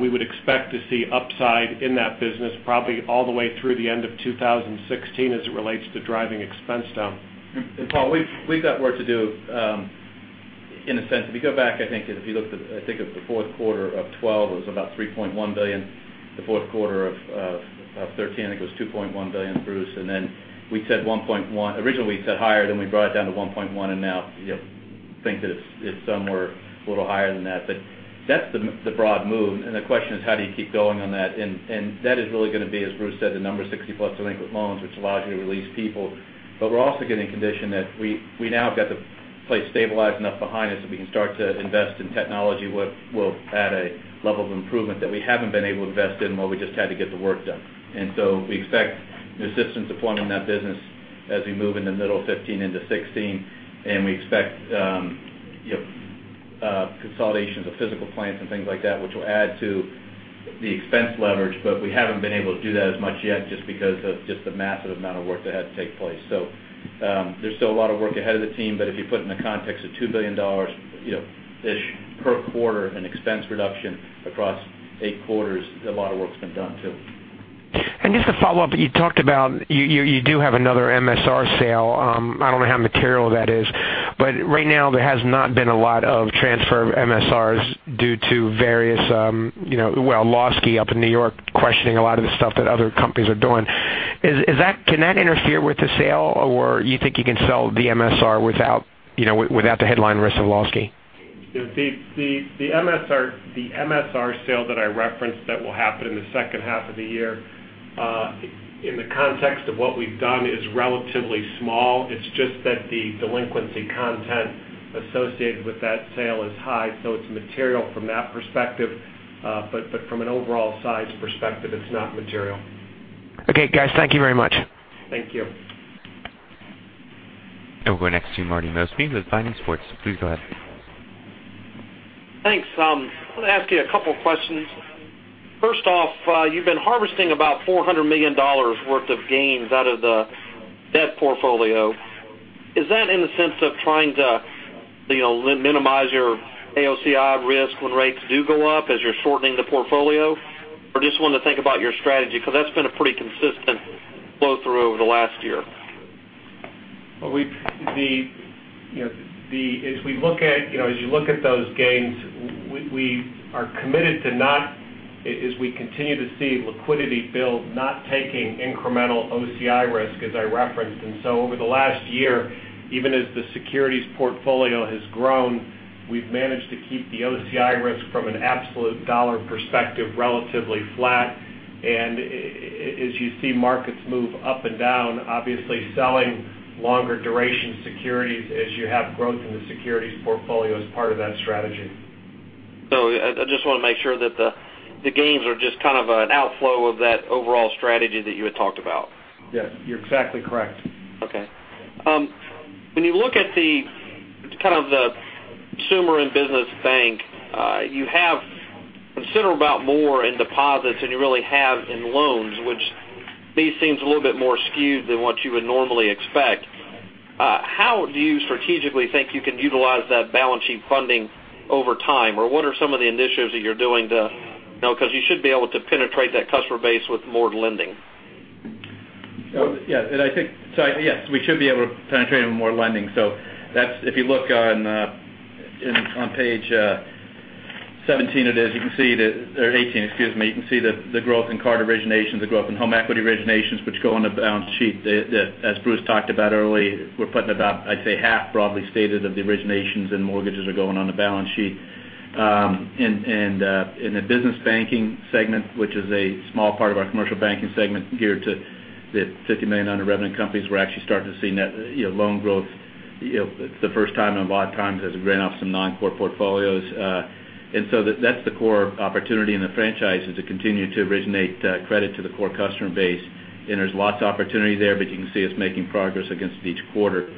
we would expect to see upside in that business probably all the way through the end of 2016 as it relates to driving expense down. Paul, we've got work to do in a sense. You go back, I think if you looked at, I think it was the fourth quarter of 2012, it was about $3.1 billion. Fourth quarter of 2013, I think it was $2.1 billion, Bruce. Originally we said higher, then we brought it down to $1.1, and now think that it's somewhere a little higher than that. That's the broad move. The question is, how do you keep going on that? That is really going to be, as Bruce said, the number 60-plus delinquent loans, which allows you to release people. We're also getting conditioned that we now have got the place stabilized enough behind us that we can start to invest in technology at a level of improvement that we haven't been able to invest in while we just had to get the work done. We expect new systems deployment in that business as we move in the middle of 2015 into 2016, and we expect consolidations of physical plants and things like that, which will add to the expense leverage, but we haven't been able to do that as much yet, just because of just the massive amount of work that had to take place. There's still a lot of work ahead of the team, but if you put in the context of $2 billion-ish per quarter in expense reduction across eight quarters, a lot of work's been done, too. Just to follow up, you talked about you do have another MSR sale. I don't know how material that is. Right now, there has not been a lot of transfer of MSRs due to various, well, Lawsky up in New York questioning a lot of the stuff that other companies are doing. Can that interfere with the sale, or you think you can sell the MSR without the headline risk of Lawsky? The MSR sale that I referenced that will happen in the second half of the year, in the context of what we've done is relatively small. It's just that the delinquency content associated with that sale is high. It's material from that perspective, but from an overall size perspective, it's not material. Okay, guys. Thank you very much. Thank you. We'll go next to Marty Mosby with Vining Sparks. Please go ahead. Thanks. I want to ask you a couple questions. First off, you've been harvesting about $400 million worth of gains out of the debt portfolio. Is that in the sense of trying to minimize your AOCI risk when rates do go up as you're shortening the portfolio? Just wanted to think about your strategy, because that's been a pretty consistent flow-through over the last year. As you look at those gains, we are committed to not, as we continue to see liquidity build, not taking incremental OCI risk, as I referenced. Over the last year, even as the securities portfolio has grown, we've managed to keep the OCI risk from an absolute $ perspective, relatively flat. As you see markets move up and down, obviously selling longer duration securities as you have growth in the securities portfolio is part of that strategy. I just want to make sure that the gains are just an outflow of that overall strategy that you had talked about. Yeah, you're exactly correct. Okay. When you look at the consumer and business bank, you have considerable more in deposits than you really have in loans, which maybe seems a little bit more skewed than what you would normally expect. How do you strategically think you can utilize that balance sheet funding over time? Or what are some of the initiatives that you're doing because you should be able to penetrate that customer base with more lending. Yes, we should be able to penetrate even more lending. If you look on page 17, or 18, excuse me. You can see the growth in card originations, the growth in home equity originations, which go on the balance sheet. As Bruce talked about earlier, we're putting about, I'd say, half broadly stated of the originations and mortgages are going on the balance sheet. In the business banking segment, which is a small part of our commercial banking segment geared to the $50 million under revenue companies, we're actually starting to see loan growth the first time in a lot of times as we ran off some non-core portfolios. That's the core opportunity in the franchise is to continue to originate credit to the core customer base. There's lots of opportunity there, but you can see us making progress against each quarter.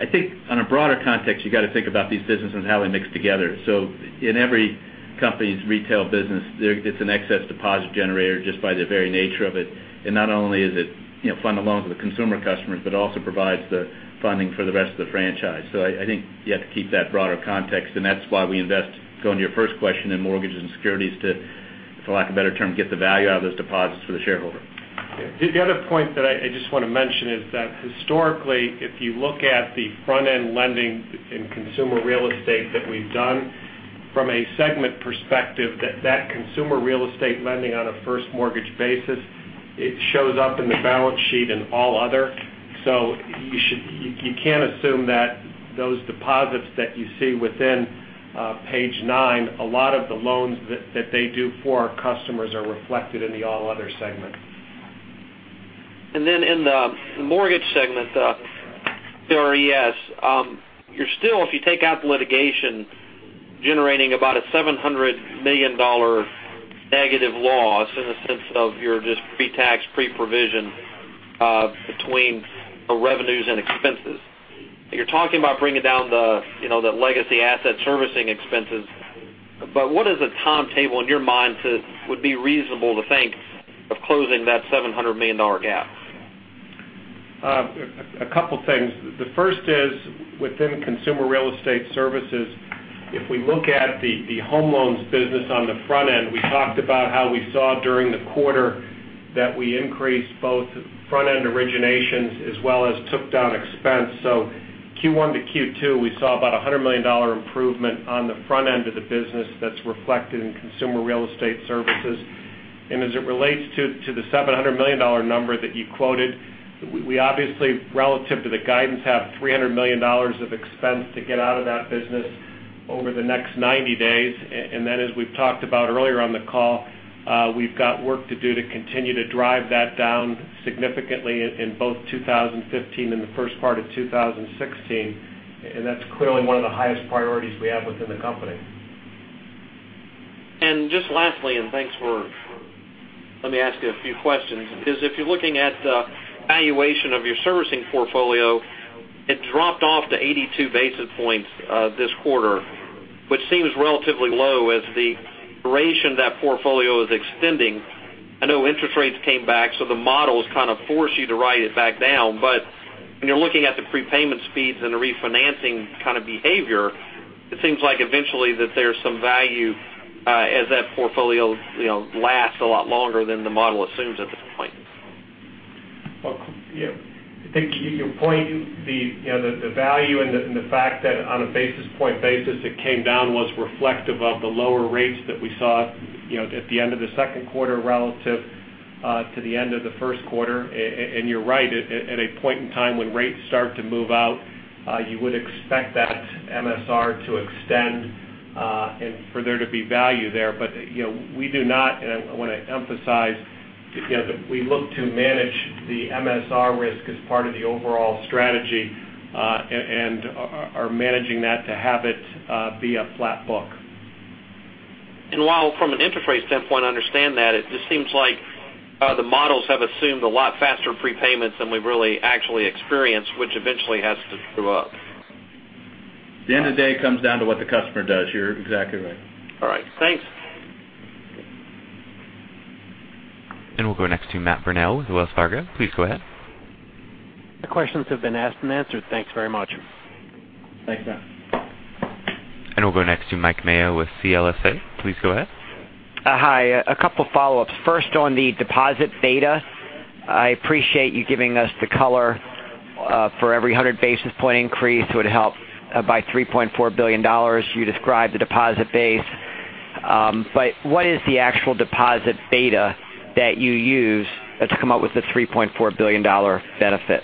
I think on a broader context, you got to think about these businesses and how they mix together. In every company's retail business, it's an excess deposit generator just by the very nature of it. Not only is it fund a loan for the consumer customers, but also provides the funding for the rest of the franchise. I think you have to keep that broader context, and that's why we invest, going to your first question, in mortgages and securities to, for lack of a better term, get the value out of those deposits for the shareholder. The other point that I just want to mention is that historically, if you look at the front-end lending in Consumer Real Estate that we've done from a segment perspective, that Consumer Real Estate lending on a first mortgage basis, it shows up in the balance sheet in all other. You can assume that those deposits that you see within page nine, a lot of the loans that they do for our customers are reflected in the all other segment. In the mortgage segment, the RES, you're still, if you take out the litigation, generating about a $700 million negative loss in the sense of your just pre-tax, pre-provision between the revenues and expenses. You're talking about bringing down the legacy asset servicing expenses, but what is the timetable in your mind would be reasonable to think of closing that $700 million gap? A couple of things. The first is within Consumer Real Estate Services, if we look at the home loans business on the front end, we talked about how we saw during the quarter that we increased both front-end originations as well as took down expense. Q1 to Q2, we saw about $100 million improvement on the front end of the business that's reflected in Consumer Real Estate Services. As it relates to the $700 million number that you quoted, we obviously, relative to the guidance, have $300 million of expense to get out of that business over the next 90 days. As we've talked about earlier on the call, we've got work to do to continue to drive that down significantly in both 2015 and the first part of 2016. That's clearly one of the highest priorities we have within the company. Just lastly, and thanks for letting me ask you a few questions, because if you're looking at the valuation of your servicing portfolio, it dropped off to 82 basis points this quarter, which seems relatively low as the duration of that portfolio is extending. I know interest rates came back, the models kind of force you to write it back down. When you're looking at the prepayment speeds and the refinancing kind of behavior, it seems like eventually that there's some value as that portfolio lasts a lot longer than the model assumes at this point. I think your point, the value and the fact that on a basis point basis it came down was reflective of the lower rates that we saw at the end of the second quarter relative to the end of the first quarter. You're right, at a point in time when rates start to move out, you would expect that MSR to extend and for there to be value there. We do not, and I want to emphasize, we look to manage the MSR risk as part of the overall strategy, and are managing that to have it be a flat book. While from an interest rate standpoint, I understand that, it just seems like the models have assumed a lot faster prepayments than we've really actually experienced, which eventually has to true up. At the end of the day, it comes down to what the customer does. You're exactly right. All right. Thanks. We'll go next to Matthew Burnell with Wells Fargo. Please go ahead. My questions have been asked and answered. Thanks very much. Thanks, Matt. We'll go next to Mike Mayo with CLSA. Please go ahead. Hi. A couple follow-ups. First, on the deposit data. I appreciate you giving us the color for every 100-basis point increase would help by $3.4 billion. You described the deposit base. What is the actual deposit data that you use to come up with the $3.4 billion benefit?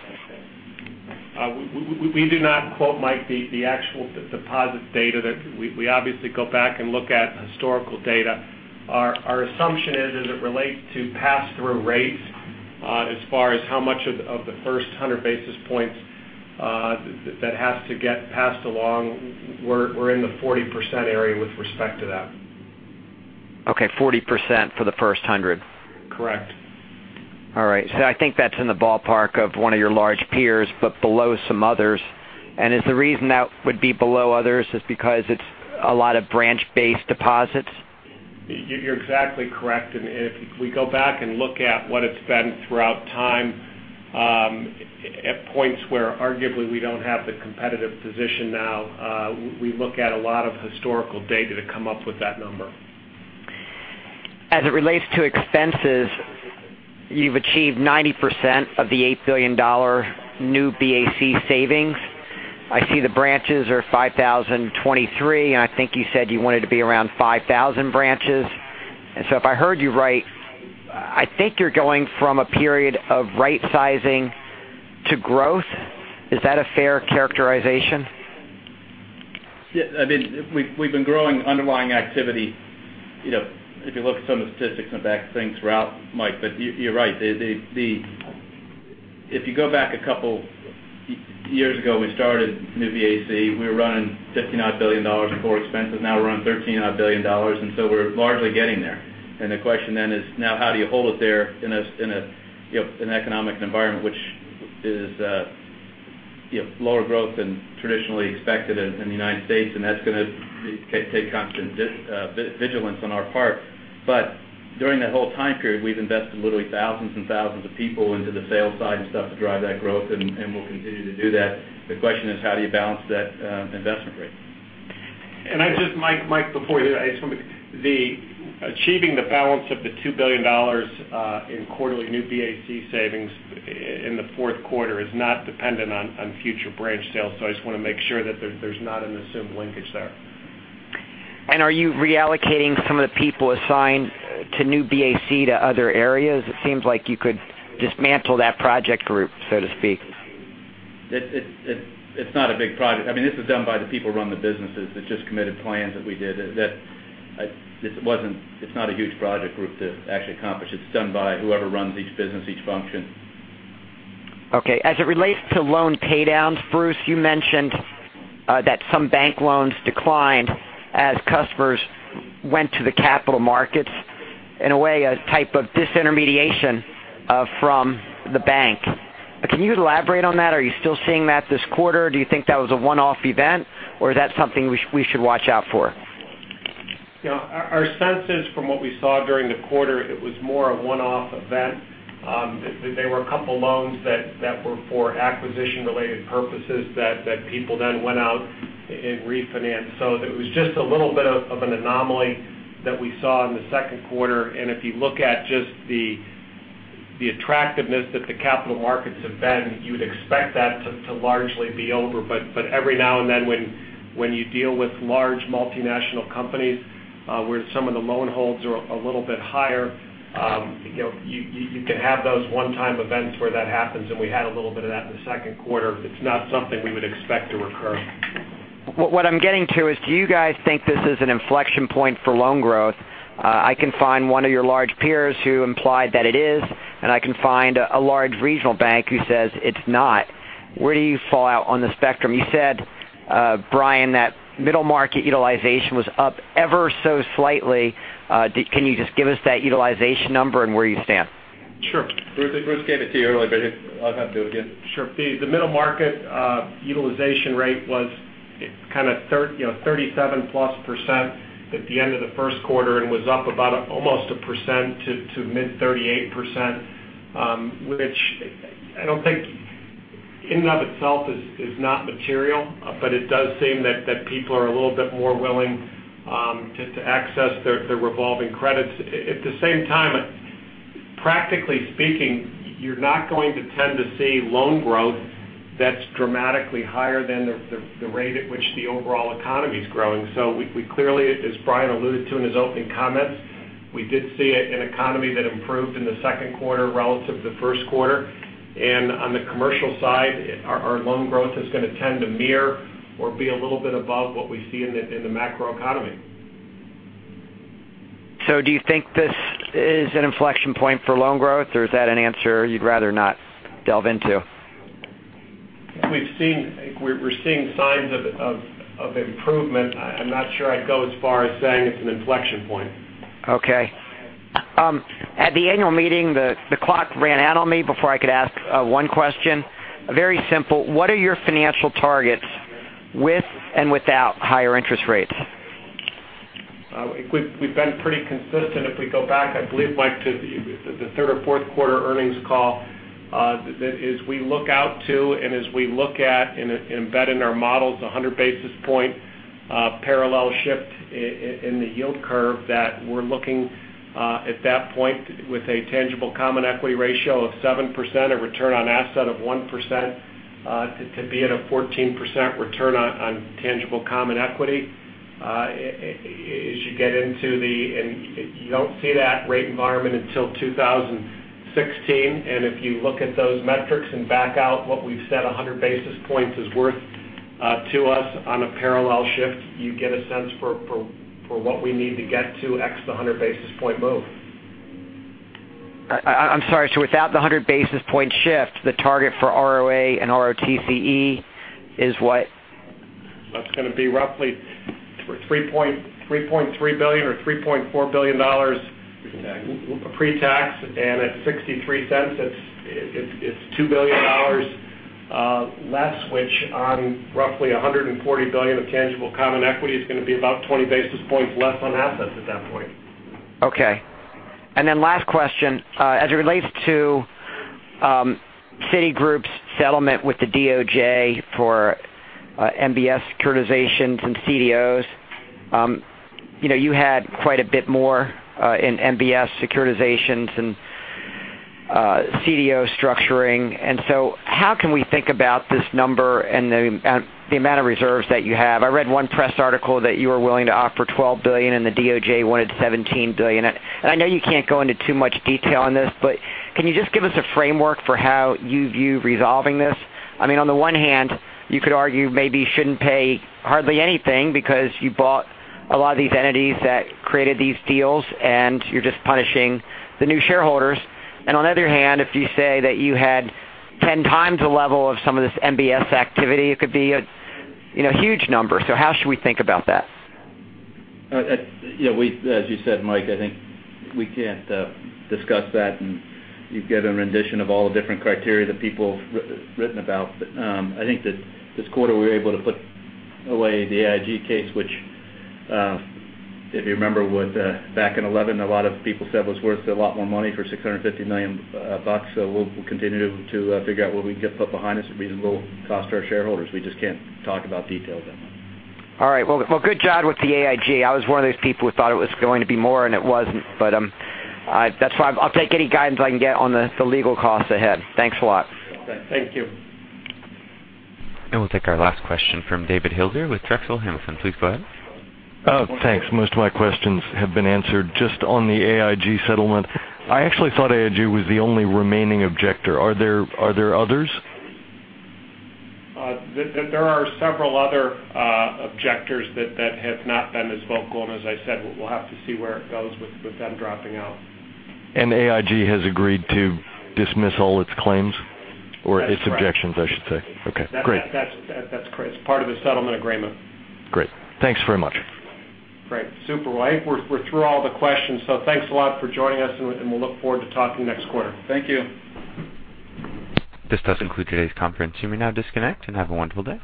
We do not quote, Mike, the actual deposit data. We obviously go back and look at historical data. Our assumption is as it relates to pass-through rates as far as how much of the first 100 basis points that has to get passed along, we're in the 40% area with respect to that. Okay. 40% for the first 100. Correct. All right. I think that's in the ballpark of one of your large peers, but below some others. Is the reason that would be below others is because it's a lot of branch-based deposits? You're exactly correct. If we go back and look at what it's been throughout time at points where arguably we don't have the competitive position now, we look at a lot of historical data to come up with that number. As it relates to expenses, you've achieved 90% of the $8 billion New BAC savings. I see the branches are 5,023, I think you said you wanted to be around 5,000 branches. If I heard you right, I think you're going from a period of right sizing to growth. Is that a fair characterization? We've been growing underlying activity. If you look at some of the statistics on the back of things, Mike, you're right. If you go back a couple years ago, we started New BAC. We were running $15.5 billion in core expenses. Now we're running $13.5 billion. We're largely getting there. The question then is, now how do you hold it there in an economic environment which is lower growth than traditionally expected in the U.S.? That's going to take constant vigilance on our part. During that whole time period, we've invested literally thousands and thousands of people into the sales side and stuff to drive that growth. We'll continue to do that. The question is, how do you balance that investment rate? Mike, before you, achieving the balance of the $2 billion in quarterly New BAC savings in the fourth quarter is not dependent on future branch sales. I just want to make sure that there's not an assumed linkage there. Are you reallocating some of the people assigned to New BAC to other areas? It seems like you could dismantle that project group, so to speak. It's not a big project. This is done by the people who run the businesses. It's just committed plans that we did. It's not a huge project group to actually accomplish. It's done by whoever runs each business, each function. Okay. As it relates to loan paydowns, Bruce, you mentioned that some bank loans declined as customers went to the capital markets. In a way, a type of disintermediation from the bank. Can you elaborate on that? Are you still seeing that this quarter? Do you think that was a one-off event, or is that something we should watch out for? Our sense is from what we saw during the quarter, it was more a one-off event. There were a couple loans that were for acquisition-related purposes that people then went out and refinanced. It was just a little bit of an anomaly that we saw in the second quarter, and if you look at just the attractiveness that the capital markets have been, you would expect that to largely be over. Every now and then, when you deal with large multinational companies where some of the loan holds are a little bit higher, you can have those one-time events where that happens, and we had a little bit of that in the second quarter. It's not something we would expect to recur. What I'm getting to is do you guys think this is an inflection point for loan growth? I can find one of your large peers who implied that it is, and I can find a large regional bank who says it's not. Where do you fall out on the spectrum? You said, Brian, that middle market utilization was up ever so slightly. Can you just give us that utilization number and where you stand? Sure. Bruce gave it to you earlier. I'll have to do it again. Sure. The middle market utilization rate was kind of 37+% at the end of the first quarter and was up about almost a percent to mid-38%, which I don't think in and of itself is not material. It does seem that people are a little bit more willing to access their revolving credits. At the same time, practically speaking, you're not going to tend to see loan growth that's dramatically higher than the rate at which the overall economy is growing. We clearly, as Brian alluded to in his opening comments, we did see an economy that improved in the second quarter relative to the first quarter. On the commercial side, our loan growth is going to tend to mirror or be a little bit above what we see in the macroeconomy. Do you think this is an inflection point for loan growth, or is that an answer you'd rather not delve into? We're seeing signs of improvement. I'm not sure I'd go as far as saying it's an inflection point. Okay. At the annual meeting, the clock ran out on me before I could ask one question. Very simple. What are your financial targets with and without higher interest rates? We've been pretty consistent. If we go back, I believe, Mike, to the third or fourth quarter earnings call, that as we look at and embed in our models 100-basis-point parallel shift in the yield curve, that we're looking at that point with a tangible common equity ratio of 7%, a return on asset of 1% to be at a 14% return on tangible common equity. You don't see that rate environment until 2016. If you look at those metrics and back out what we've said 100 basis points is worth to us on a parallel shift, you get a sense for what we need to get to x the 100-basis-point move. I'm sorry. Without the 100-basis-point shift, the target for ROA and ROTCE is what? That's going to be roughly $3.3 billion or $3.4 billion. Pre-tax Pre-tax, at $0.63, it's $2 billion less, which on roughly $140 billion of tangible common equity is going to be about 20 basis points less on assets at that point. Okay. Last question. As it relates to Citigroup's settlement with the DOJ for MBS securitizations and CDOs, you had quite a bit more in MBS securitizations and CDO structuring. How can we think about this number and the amount of reserves that you have? I read one press article that you were willing to offer $12 billion and the DOJ wanted $17 billion. I know you can't go into too much detail on this, but can you just give us a framework for how you view resolving this? On the one hand, you could argue maybe you shouldn't pay hardly anything because you bought a lot of these entities that created these deals, and you're just punishing the new shareholders. On the other hand, if you say that you had 10 times the level of some of this MBS activity, it could be a huge number. How should we think about that? As you said, Mike, I think we can't discuss that, and you get a rendition of all the different criteria that people have written about. I think that this quarter we were able to put away the AIG case, which, if you remember, back in 2011, a lot of people said was worth a lot more money for $650 million. We'll continue to figure out what we can put behind us at reasonable cost to our shareholders. We just can't talk about details on that. All right. Good job with the AIG. I was one of those people who thought it was going to be more, and it wasn't. That's why I'll take any guidance I can get on the legal costs ahead. Thanks a lot. Thank you. We'll take our last question from David Hilder with Drexel Hamilton. Please go ahead. Thanks. Most of my questions have been answered. Just on the AIG settlement, I actually thought AIG was the only remaining objector. Are there others? There are several other objectors that have not been as vocal, and as I said, we'll have to see where it goes with them dropping out. AIG has agreed to dismiss all its claims? Or its objections, I should say. That's correct. Okay, great. That's correct. It's part of the settlement agreement. Great. Thanks very much. Great. Super. I think we're through all the questions, so thanks a lot for joining us, and we look forward to talking next quarter. Thank you. This does conclude today's conference. You may now disconnect and have a wonderful day.